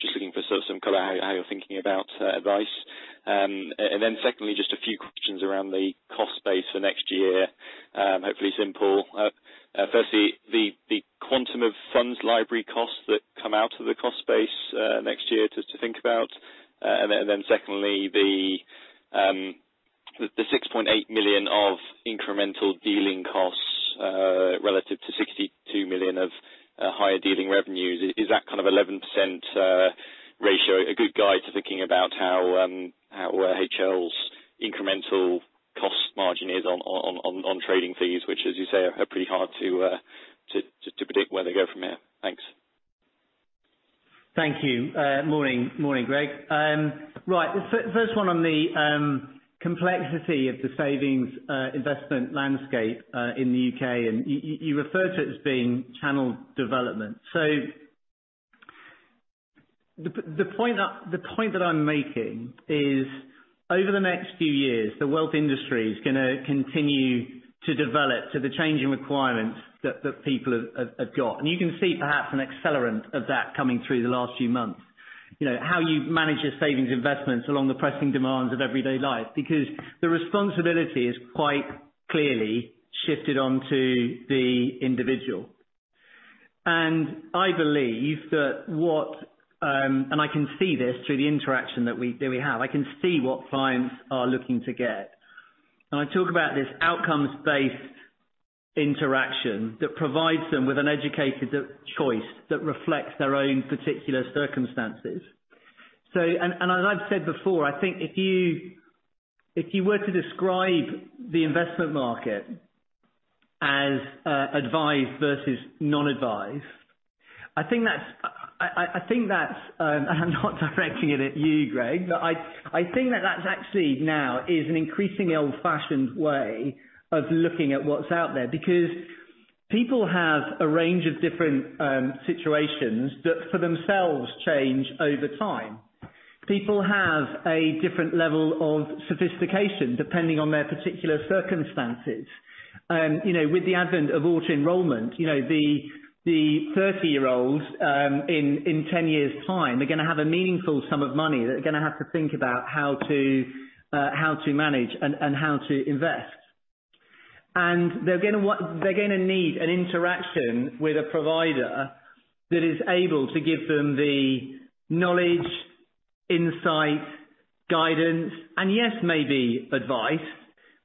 Just looking for some color on how you're thinking about advice. Then secondly, just a few questions around the cost base for next year. Hopefully simple. Firstly, the quantum of FundsLibrary costs that come out of the cost base next year just to think about. Then secondly, the 6.8 million of incremental dealing costs relative to 62 million of higher dealing revenues. Is that kind of 11% ratio a good guide to thinking about how HL's incremental cost margin is on trading fees, which as you say, are pretty hard to predict where they go from here? Thanks. Thank you. Morning, Greg. Right. First one on the complexity of the savings investment landscape in the U.K., you refer to it as being channel development. The point that I'm making is over the next few years, the wealth industry is going to continue to develop to the changing requirements that people have got. You can see perhaps an accelerant of that coming through the last few months. How you manage your savings investments along the pressing demands of everyday life, because the responsibility is quite clearly shifted on to the individual. I can see this through the interaction that we have. I can see what clients are looking to get. I talk about this outcomes-based interaction that provides them with an educated choice that reflects their own particular circumstances. As I've said before, I think if you were to describe the investment market as advised versus non-advised. I'm not directing it at you, Greg, but I think that's actually now is an increasingly old-fashioned way of looking at what's out there, because people have a range of different situations that for themselves change over time. People have a different level of sophistication depending on their particular circumstances. With the advent of auto-enrollment, the 30-year-olds in 10 years' time, they're going to have a meaningful sum of money. They're going to have to think about how to manage and how to invest. They're going to need an interaction with a provider that is able to give them the knowledge, insight, guidance, and yes, maybe advice,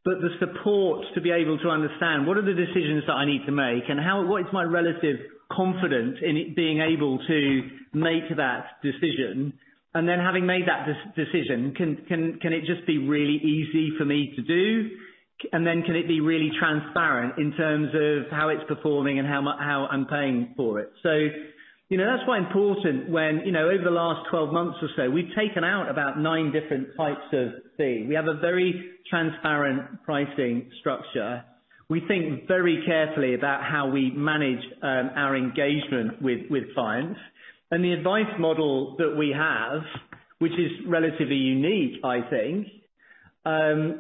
but the support to be able to understand what are the decisions that I need to make and what is my relative confidence in being able to make that decision. Having made that decision, can it just be really easy for me to do? Can it be really transparent in terms of how it's performing and how I'm paying for it. That's why important when over the last 12 months or so, we've taken out about 9 different types of fee. We have a very transparent pricing structure. We think very carefully about how we manage our engagement with clients. The advice model that we have, which is relatively unique, I think,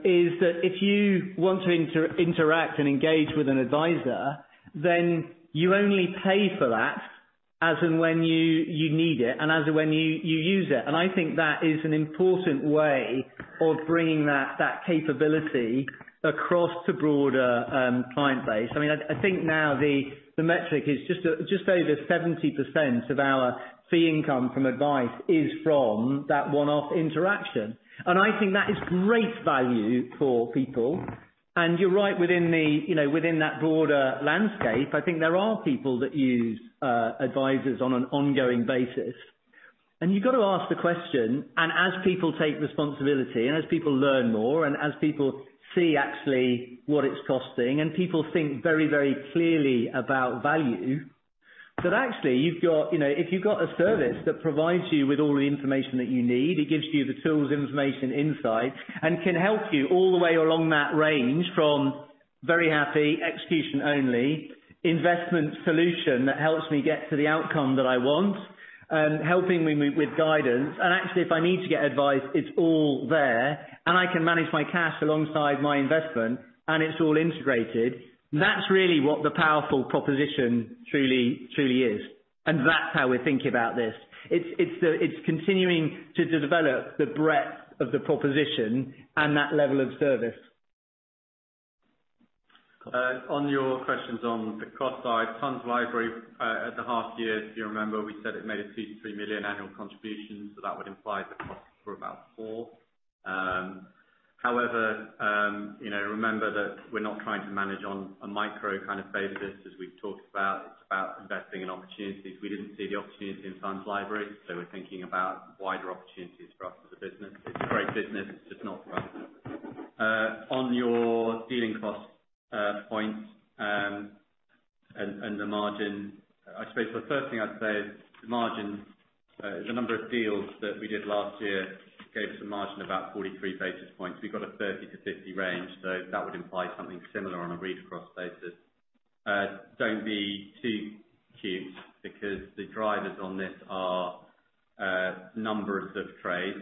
is that if you want to interact and engage with an advisor, then you only pay for that as and when you need it and as when you use it. I think that is an important way of bringing that capability across to broader client base. I think now the metric is just over 70% of our fee income from advice is from that one-off interaction. I think that is great value for people. You're right within that broader landscape, I think there are people that use advisors on an ongoing basis. You've got to ask the question, as people take responsibility and as people learn more and as people see actually what it's costing, and people think very, very clearly about value, that actually if you've got a service that provides you with all the information that you need, it gives you the tools, information, insight, and can help you all the way along that range from very happy execution-only investment solution that helps me get to the outcome that I want and helping me with guidance. Actually, if I need to get advice, it's all there, I can manage my cash alongside my investment, it's all integrated. That's really what the powerful proposition truly is. That's how we're thinking about this. It's continuing to develop the breadth of the proposition and that level of service. On your questions on the cost side, FundsLibrary at the half year, if you remember, we said it made a 33 million annual contribution, that would imply the cost for about GBP four. Remember that we're not trying to manage on a micro kind of basis as we've talked about. It's about investing in opportunities. We didn't see the opportunity in FundsLibrary, we're thinking about wider opportunities for us as a business. It's a great business, it's just not for us. On your dealing cost point and the margin, I suppose the first thing I'd say is the margin, the number of deals that we did last year gave us a margin of about 43 basis points. We've got a 30 basis points-50 basis points range. That would imply something similar on a read-across basis. Don't be too cute because the drivers on this are numbers of trades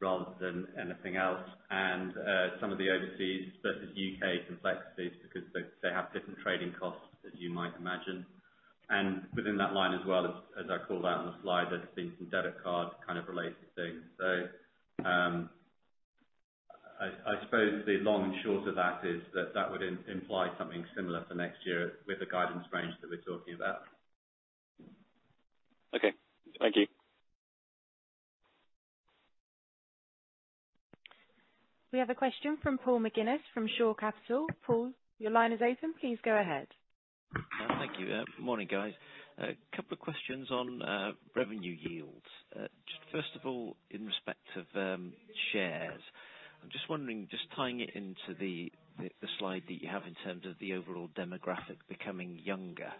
rather than anything else and some of the overseas versus U.K. complexities because they have different trading costs, as you might imagine. Within that line as well, as I called out on the slide, there's been some debit card kind of related things. I suppose the long and short of that is that would imply something similar for next year with the guidance range that we're talking about. Okay. Thank you. We have a question from Paul McGinnis from Shore Capital. Paul, your line is open. Please go ahead. Thank you. Morning, guys. A couple of questions on revenue yields. First of all, in respect of shares, I'm just wondering, just tying it into the slide that you have in terms of the overall demographic becoming younger,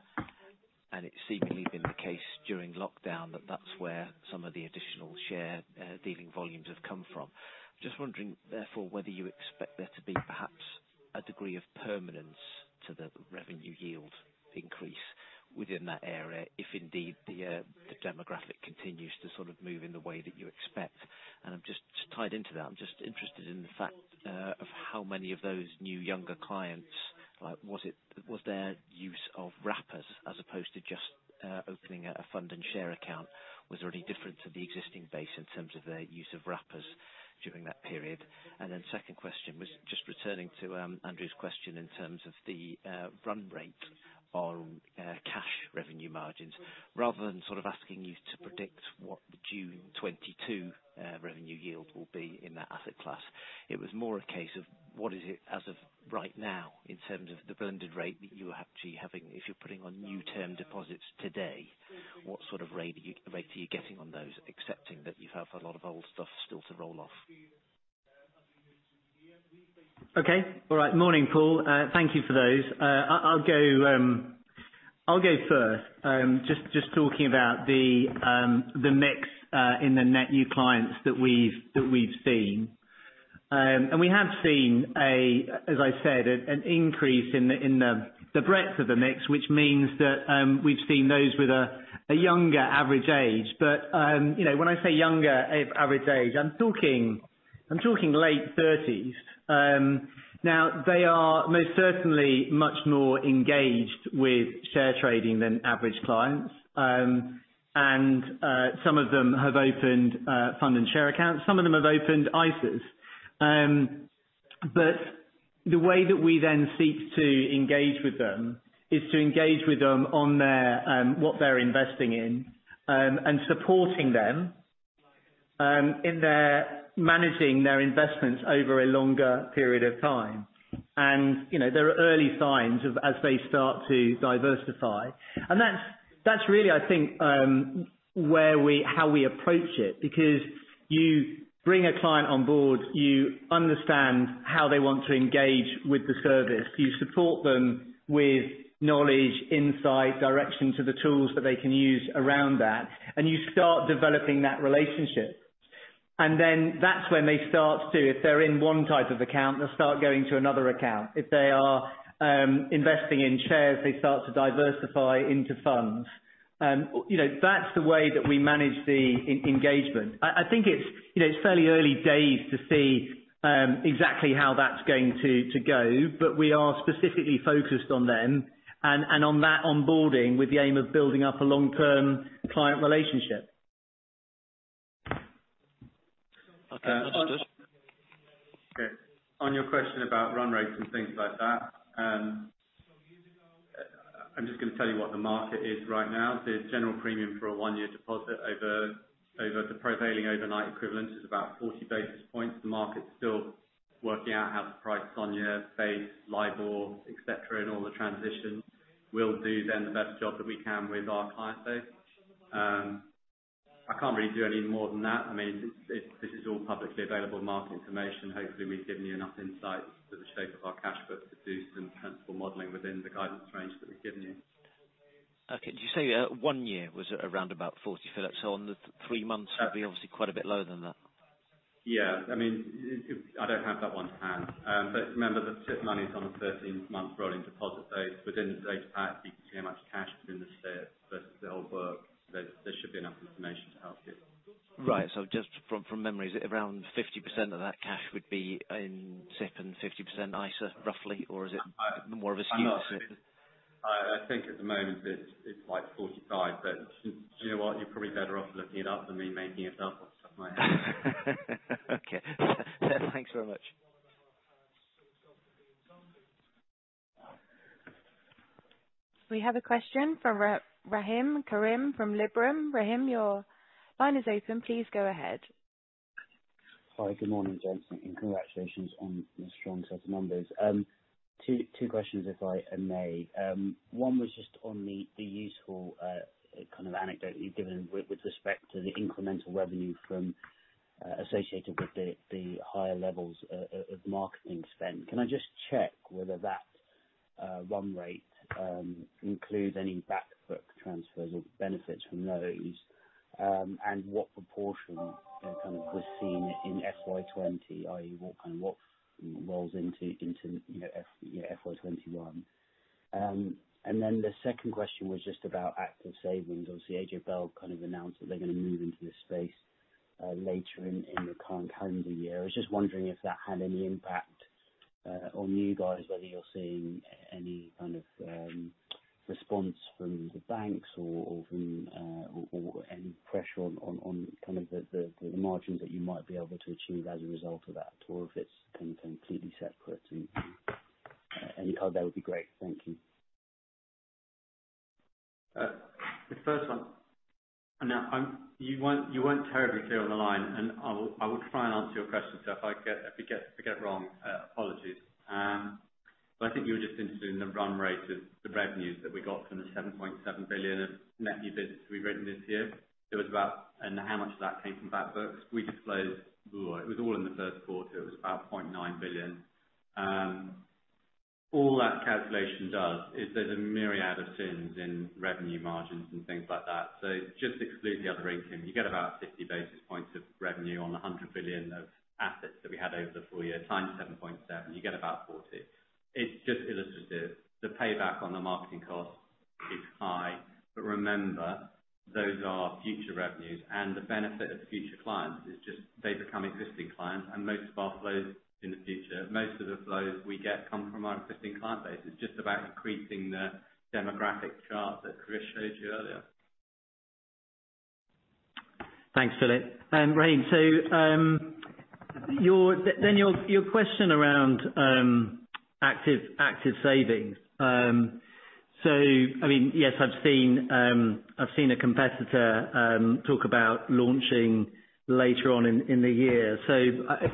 and it seemingly been the case during lockdown that that's where some of the additional share dealing volumes have come from. Just wondering, therefore, whether you expect there to be perhaps a degree of permanence to the revenue yield increase within that area, if indeed the demographic continues to sort of move in the way that you expect. Just tied into that, I'm just interested in the fact of how many of those new younger clients, was their use of wrappers as opposed to just opening a fund and share account, was there any different to the existing base in terms of their use of wrappers during that period? Second question was just returning to Andrew's question in terms of the run rate on cash revenue margins. Rather than sort of asking you to predict what the June 2022 revenue yield will be in that asset class, it was more a case of what is it as of right now in terms of the blended rate that you're actually having if you're putting on new term deposits today, what sort of rate are you getting on those, accepting that you have a lot of old stuff still to roll off? Okay. All right. Morning, Paul. Thank you for those. I'll go first. Talking about the mix in the net new clients that we've seen. We have seen, as I said, an increase in the breadth of the mix, which means that we've seen those with a younger average age. But when I say younger average age, I'm talking late 30s. Now, they are most certainly much more engaged with share trading than average clients. Some of them have opened fund and share accounts. Some of them have opened ISAs. The way that we then seek to engage with them is to engage with them on what they're investing in and supporting them in their managing their investments over a longer period of time. There are early signs as they start to diversify. That's really, I think, how we approach it. Because you bring a client on board, you understand how they want to engage with the service, you support them with knowledge, insight, direction to the tools that they can use around that, and you start developing that relationship. That's when they start, if they're in one type of account, they'll start going to another account. If they are investing in shares, they start to diversify into funds. That's the way that we manage the engagement. I think it's fairly early days to see exactly how that's going to go, but we are specifically focused on them and on that onboarding with the aim of building up a long-term client relationship. Okay. That's good. Okay. On your question about run rates and things like that, I'm just going to tell you what the market is right now. The general premium for a one-year deposit over the prevailing overnight equivalent is about 40 basis points. The market's still working out how to price SONIA, Base, LIBOR, et cetera, and all the transitions. We'll do then the best job that we can with our client base. I can't really do any more than that. This is all publicly available market information. Hopefully, we've given you enough insight to the shape of our cash book to do some sensible modeling within the guidance range that we've given you. Okay. Did you say one year was around about 40, Philip? On the three months, it'll be obviously quite a bit lower than that. Yeah. I don't have that one to hand. Remember that SIPP money is on a 13-month rolling deposit base. Within those packs, you can see how much cash is in the SIPP versus the whole book. There should be enough information to help you. Right. Just from memory, is it around 50% of that cash would be in SIPP and 50% ISA, roughly? Is it more of a skew to- I think at the moment it's like 45. Do you know what? You're probably better off looking it up than me making it up off the top of my head. Okay. Thanks very much. We have a question from Rahim Karim from Liberum. Rahim, your line is open. Please go ahead. Hi. Good morning, gentlemen, and congratulations on the strong set of numbers. Two questions, if I may. One was just on the useful kind of anecdote that you've given with respect to the incremental revenue from associated with the higher levels of marketing spend. Can I just check whether that run rate includes any back book transfers or benefits from those? What proportion kind of was seen in FY 2020, i.e., what kind of rolls into your FY 2021? The second question was just about Active Savings. Obviously, AJ Bell kind of announced that they're going to move into this space later in the current calendar year. I was just wondering if that had any impact on you guys, whether you're seeing any kind of response from the banks or any pressure on the margins that you might be able to achieve as a result of that, or if it's completely separate. Any color there would be great. Thank you. The first one. You weren't terribly clear on the line, and I will try and answer your question, so if I get it wrong, apologies. I think you were just interested in the run rate of the revenues that we got from the 7.7 billion of net new business we've written this year, and how much of that came from back books. We disclosed it was all in the third quarter. It was about 0.9 billion. All that calculation does is there's a myriad of sins in revenue margins and things like that. Just exclude the other income, you get about 50 basis points of revenue on 100 billion of assets that we had over the full year. Times 7.7, you get about 40 million. It's just illustrative. The payback on the marketing costs is high. Remember, those are future revenues, and the benefit of future clients is just they become existing clients, and most of our flows in the future, most of the flows we get come from our existing client base. It's just about increasing the demographic chart that Chris showed you earlier. Thanks, Philip. Rahim, your question around Active Savings. I mean, yes, I've seen a competitor talk about launching later on in the year.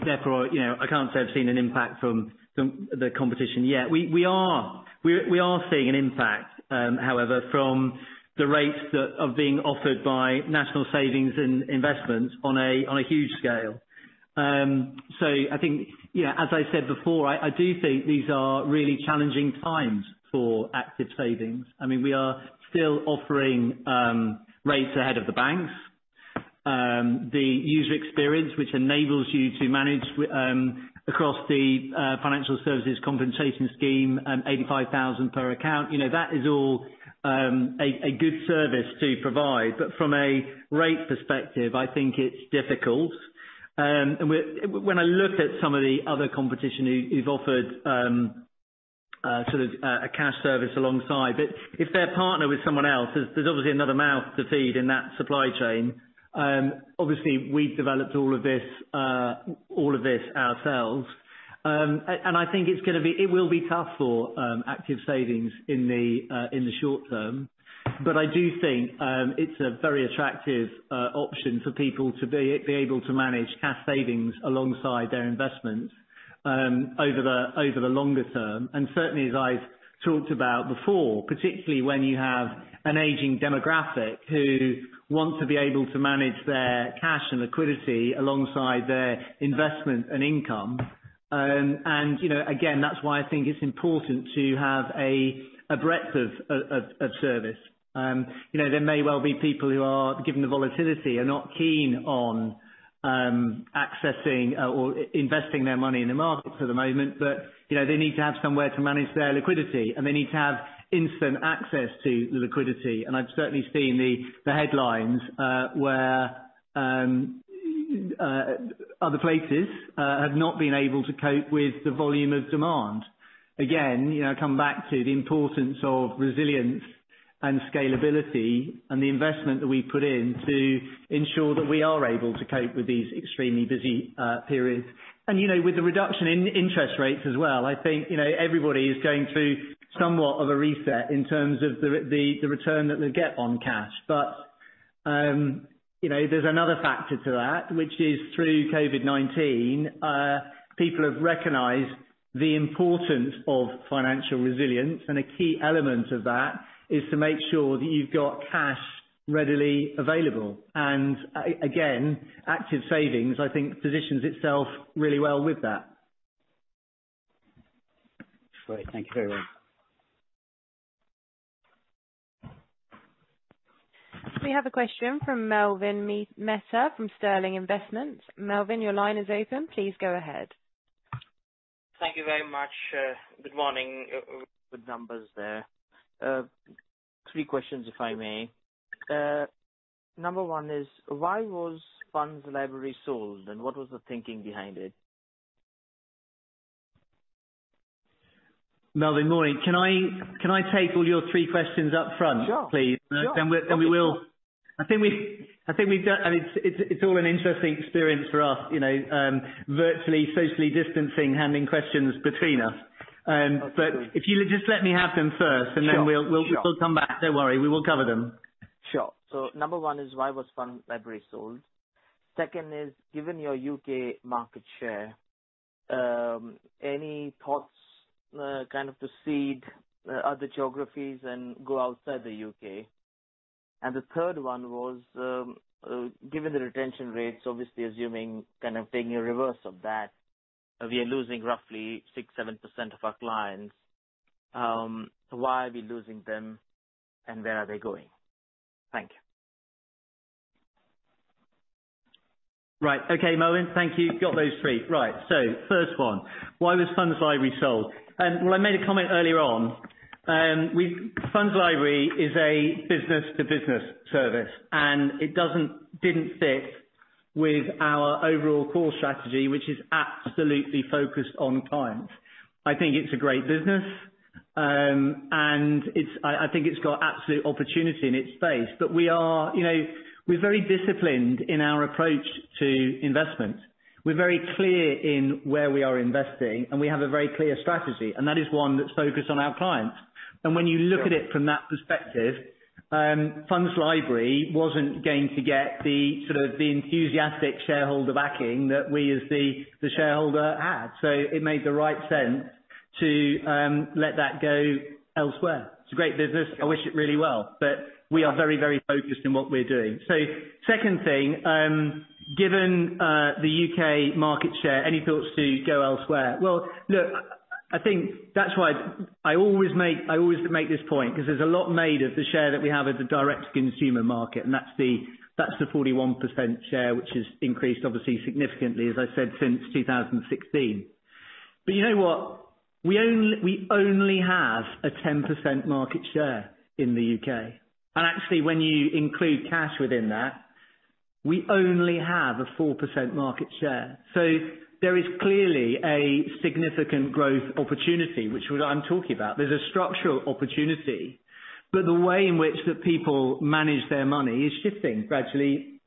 Therefore, I can't say I've seen an impact from the competition yet. We are seeing an impact, however, from the rates that are being offered by National Savings and Investments on a huge scale. I think as I said before, I do think these are really challenging times for Active Savings. We are still offering rates ahead of the banks. The user experience which enables you to manage across the Financial Services Compensation Scheme, 85,000 per account. That is all a good service to provide, from a rate perspective, I think it's difficult. When I look at some of the other competition who've offered sort of a cash service alongside, if they're partnered with someone else, there's obviously another mouth to feed in that supply chain. Obviously, we've developed all of this ourselves. I think it will be tough for Active Savings in the short term. I do think it's a very attractive option for people to be able to manage cash savings alongside their investments over the longer term. Certainly, as I've talked about before, particularly when you have an aging demographic who want to be able to manage their cash and liquidity alongside their investment and income. Again, that's why I think it's important to have a breadth of service. There may well be people who are, given the volatility, are not keen on accessing or investing their money in the markets at the moment, they need to have somewhere to manage their liquidity, they need to have instant access to the liquidity. I've certainly seen the headlines where other places have not been able to cope with the volume of demand. Again, I come back to the importance of resilience and scalability and the investment that we put in to ensure that we are able to cope with these extremely busy periods. With the reduction in interest rates as well, I think everybody is going through somewhat of a reset in terms of the return that they'll get on cash. there's another factor to that, which is through COVID-19, people have recognized the importance of financial resilience, and a key element of that is to make sure that you've got cash readily available. Again, Active Savings, I think positions itself really well with that. Great. Thank you very much. We have a question from Mubin Mitha from Sterling Investment. Mubin, your line is open. Please go ahead. Thank you very much. Good morning. Good numbers there. Three questions, if I may. Number one is why was FundsLibrary sold, and what was the thinking behind it? Mubin, Morning. Can I take all your three questions up front? Sure please? Sure. We will. It's all an interesting experience for us, virtually socially distancing, handing questions between us. Absolutely. If you just let me have them first. Sure We'll still come back. Don't worry. We will cover them. Number one is why was FundsLibrary sold? Second is, given your U.K. market share, any thoughts kind of to seed other geographies and go outside the U.K.? The third one was, given the retention rates, obviously assuming kind of taking a reverse of that, we are losing roughly 6%, 7% of our clients. Why are we losing them, and where are they going? Thank you. Right. Okay, Mubin. Thank you. Got those three. Right. First one, why was FundsLibrary sold? Well, I made a comment earlier on. FundsLibrary is a business-to-business service, it didn't fit with our overall core strategy, which is absolutely focused on clients. I think it's a great business, I think it's got absolute opportunity in its space. We're very disciplined in our approach to investment. We're very clear in where we are investing, we have a very clear strategy, that is one that's focused on our clients. When you look- Sure at it from that perspective, FundsLibrary wasn't going to get the enthusiastic shareholder backing that we as the shareholder had. It made the right sense to let that go elsewhere. It's a great business. I wish it really well, we are very focused on what we're doing. Second thing, given the U.K. market share, any thoughts to go elsewhere? Well, look, I think that's why I always make this point because there's a lot made of the share that we have as a direct-to-consumer market, that's the 41% share, which has increased obviously significantly, as I said, since 2016. You know what? We only have a 10% market share in the U.K. Actually, when you include cash within that, we only have a 4% market share. There is clearly a significant growth opportunity, which is what I'm talking about. There's a structural opportunity, the way in which the people manage their money is shifting gradually,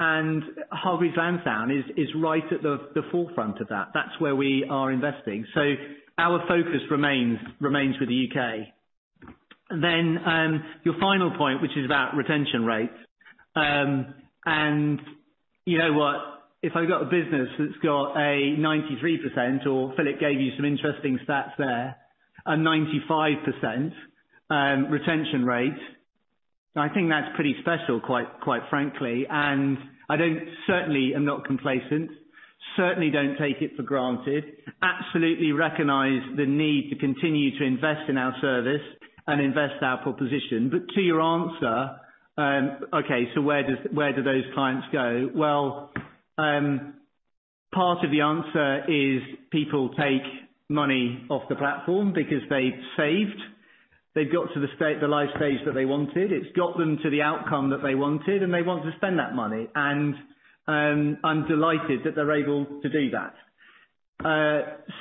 Hargreaves Lansdown is right at the forefront of that. That's where we are investing. Our focus remains with the U.K. Your final point, which is about retention rates. You know what? If I've got a business that's got a 93%, or Philip gave you some interesting stats there, a 95% retention rate, I think that's pretty special quite frankly. I certainly am not complacent. Certainly don't take it for granted. Absolutely recognize the need to continue to invest in our service invest our proposition. To your answer, okay, where do those clients go? Well, part of the answer is people take money off the platform because they've saved. They've got to the life stage that they wanted. It's got them to the outcome that they wanted, they want to spend that money. I'm delighted that they're able to do that.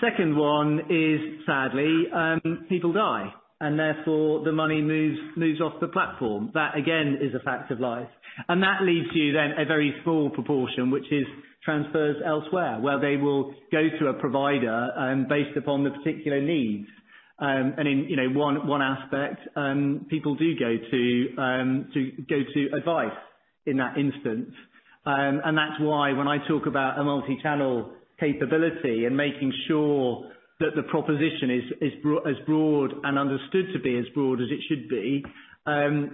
Second one is sadly, people die, therefore the money moves off the platform. That, again, is a fact of life. That leaves you then a very small proportion, which is transfers elsewhere, where they will go to a provider based upon their particular needs. In one aspect, people do go to advice in that instance. That's why when I talk about a multi-channel capability and making sure that the proposition is as broad and understood to be as broad as it should be. In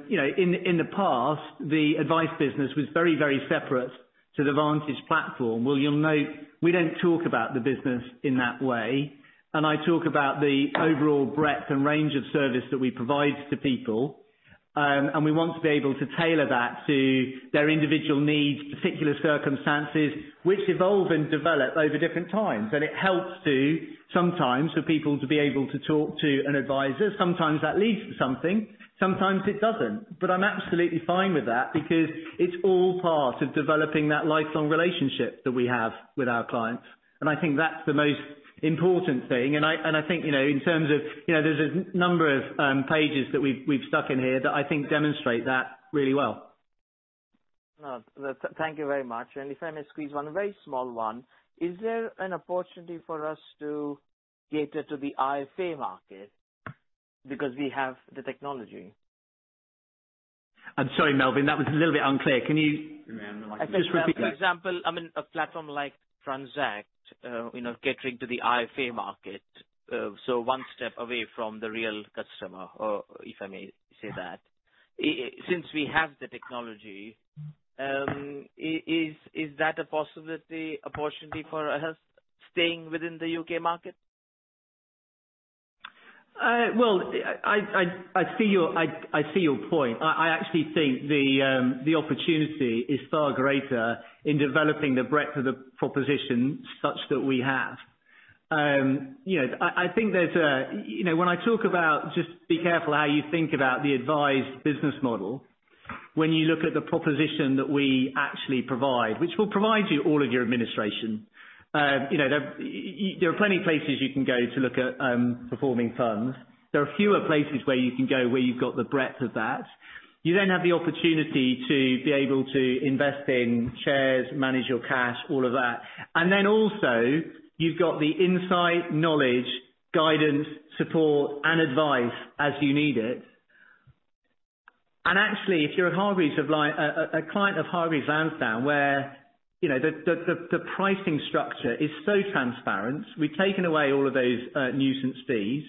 the past, the advice business was very separate to the Vantage platform. Well, you'll note we don't talk about the business in that way, I talk about the overall breadth and range of service that we provide to people. We want to be able to tailor that to their individual needs, particular circumstances, which evolve and develop over different times. It helps to, sometimes, for people to be able to talk to an advisor. Sometimes that leads to something, sometimes it doesn't. I'm absolutely fine with that because it's all part of developing that lifelong relationship that we have with our clients. I think that's the most important thing. I think in terms of, there's a number of pages that we've stuck in here that I think demonstrate that really well. Thank you very much. If I may squeeze one very small one. Is there an opportunity for us to cater to the IFA market because we have the technology? I'm sorry, Mubin, that was a little bit unclear. Can you just repeat that? For example, a platform like Transact catering to the IFA market. One step away from the real customer, or if I may say that. Since we have the technology, is that a possibility, opportunity for us staying within the U.K. market? Well, I see your point. I actually think the opportunity is far greater in developing the breadth of the proposition such that we have. When I talk about just be careful how you think about the advised business model, when you look at the proposition that we actually provide, which will provide you all of your administration. There are plenty places you can go to look at performing funds. There are fewer places where you can go where you've got the breadth of that. You then have the opportunity to be able to invest in shares, manage your cash, all of that. Then also you've got the insight, knowledge, guidance, support, and advice as you need it. Actually, if you're a client of Hargreaves Lansdown, where the pricing structure is so transparent, we've taken away all of those nuisance fees.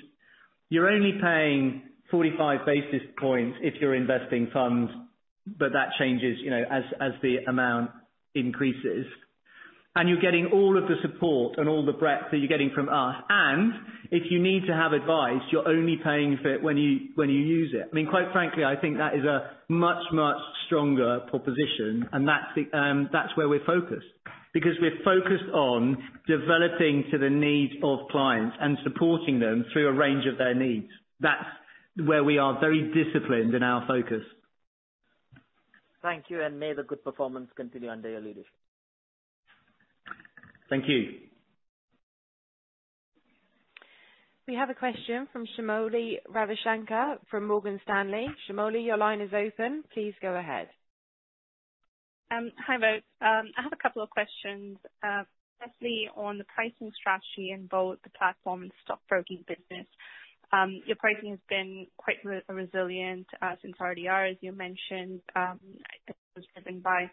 You're only paying 45 basis points if you're investing funds, but that changes as the amount increases. You're getting all of the support and all the breadth that you're getting from us. If you need to have advice, you're only paying for it when you use it. Quite frankly, I think that is a much, much stronger proposition, and that's where we're focused. We're focused on developing to the needs of clients and supporting them through a range of their needs. That's where we are very disciplined in our focus. Thank you. May the good performance continue under your leadership. Thank you. We have a question from Shamoli Ravishankar from Morgan Stanley. Shamoli, your line is open. Please go ahead. Hi, both. I have a couple of questions. Firstly, on the pricing strategy in both the platform and stockbroking business. Your pricing has been quite resilient since RDR, as you mentioned. It was driven by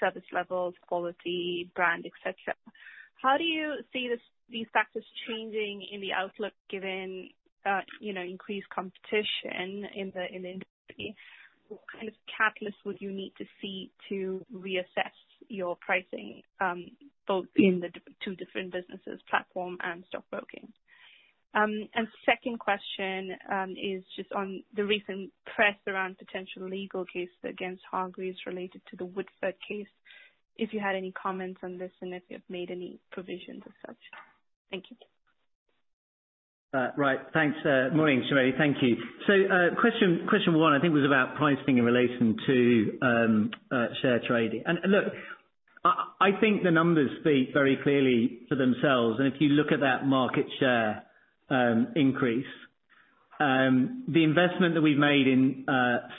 service levels, quality, brand, et cetera. How do you see these factors changing in the outlook given increased competition in the industry? What kind of catalyst would you need to see to reassess your pricing, both in the two different businesses, platform and stockbroking? Second question is just on the recent press around potential legal cases against Hargreaves related to the Neil case. If you had any comments on this and if you've made any provisions as such. Thank you. Right. Thanks. Morning, Shamoli. Thank you. Question one, I think, was about pricing in relation to share trading. Look, I think the numbers speak very clearly for themselves, and if you look at that market share increase. The investment that we've made in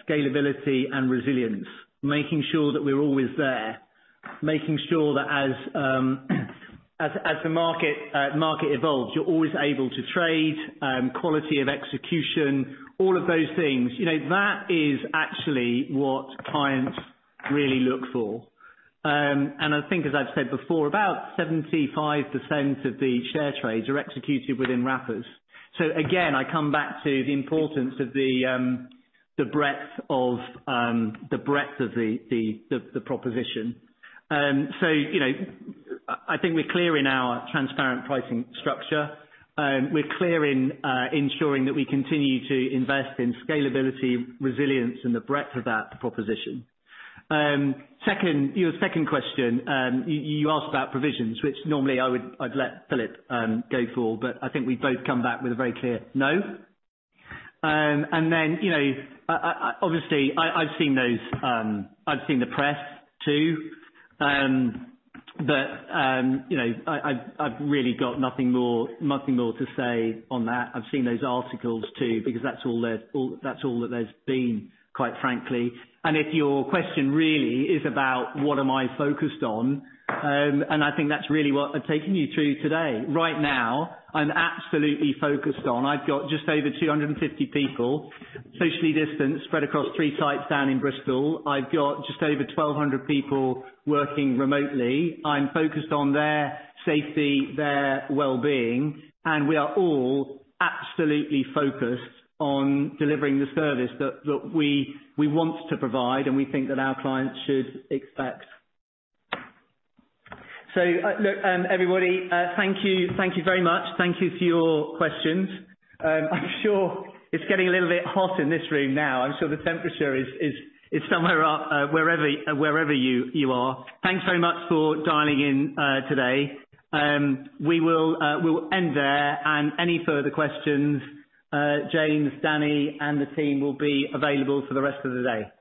scalability and resilience, making sure that we're always there, making sure that as the market evolves, you're always able to trade, quality of execution, all of those things. That is actually what clients really look for. I think as I've said before, about 75% of the share trades are executed within wrappers. Again, I come back to the importance of the breadth of the proposition. I think we're clear in our transparent pricing structure. We're clear in ensuring that we continue to invest in scalability, resilience, and the breadth of that proposition. Your second question, you asked about provisions, which normally I'd let Philip go for, but I think we both come back with a very clear no. Obviously I've seen the press too, but I've really got nothing more to say on that. I've seen those articles too, because that's all that there's been, quite frankly. If your question really is about what am I focused on, and I think that's really what I've taken you through today. Right now, I'm absolutely focused on, I've got just over 250 people, socially distanced, spread across three sites down in Bristol. I've got just over 1,200 people working remotely. I'm focused on their safety, their well-being, and we are all absolutely focused on delivering the service that we want to provide and we think that our clients should expect. Look, everybody, thank you very much. Thank you for your questions. I'm sure it's getting a little bit hot in this room now. I'm sure the temperature is somewhere up wherever you are. Thanks very much for dialing in today. We will end there. Any further questions, James, Danny, and the team will be available for the rest of the day.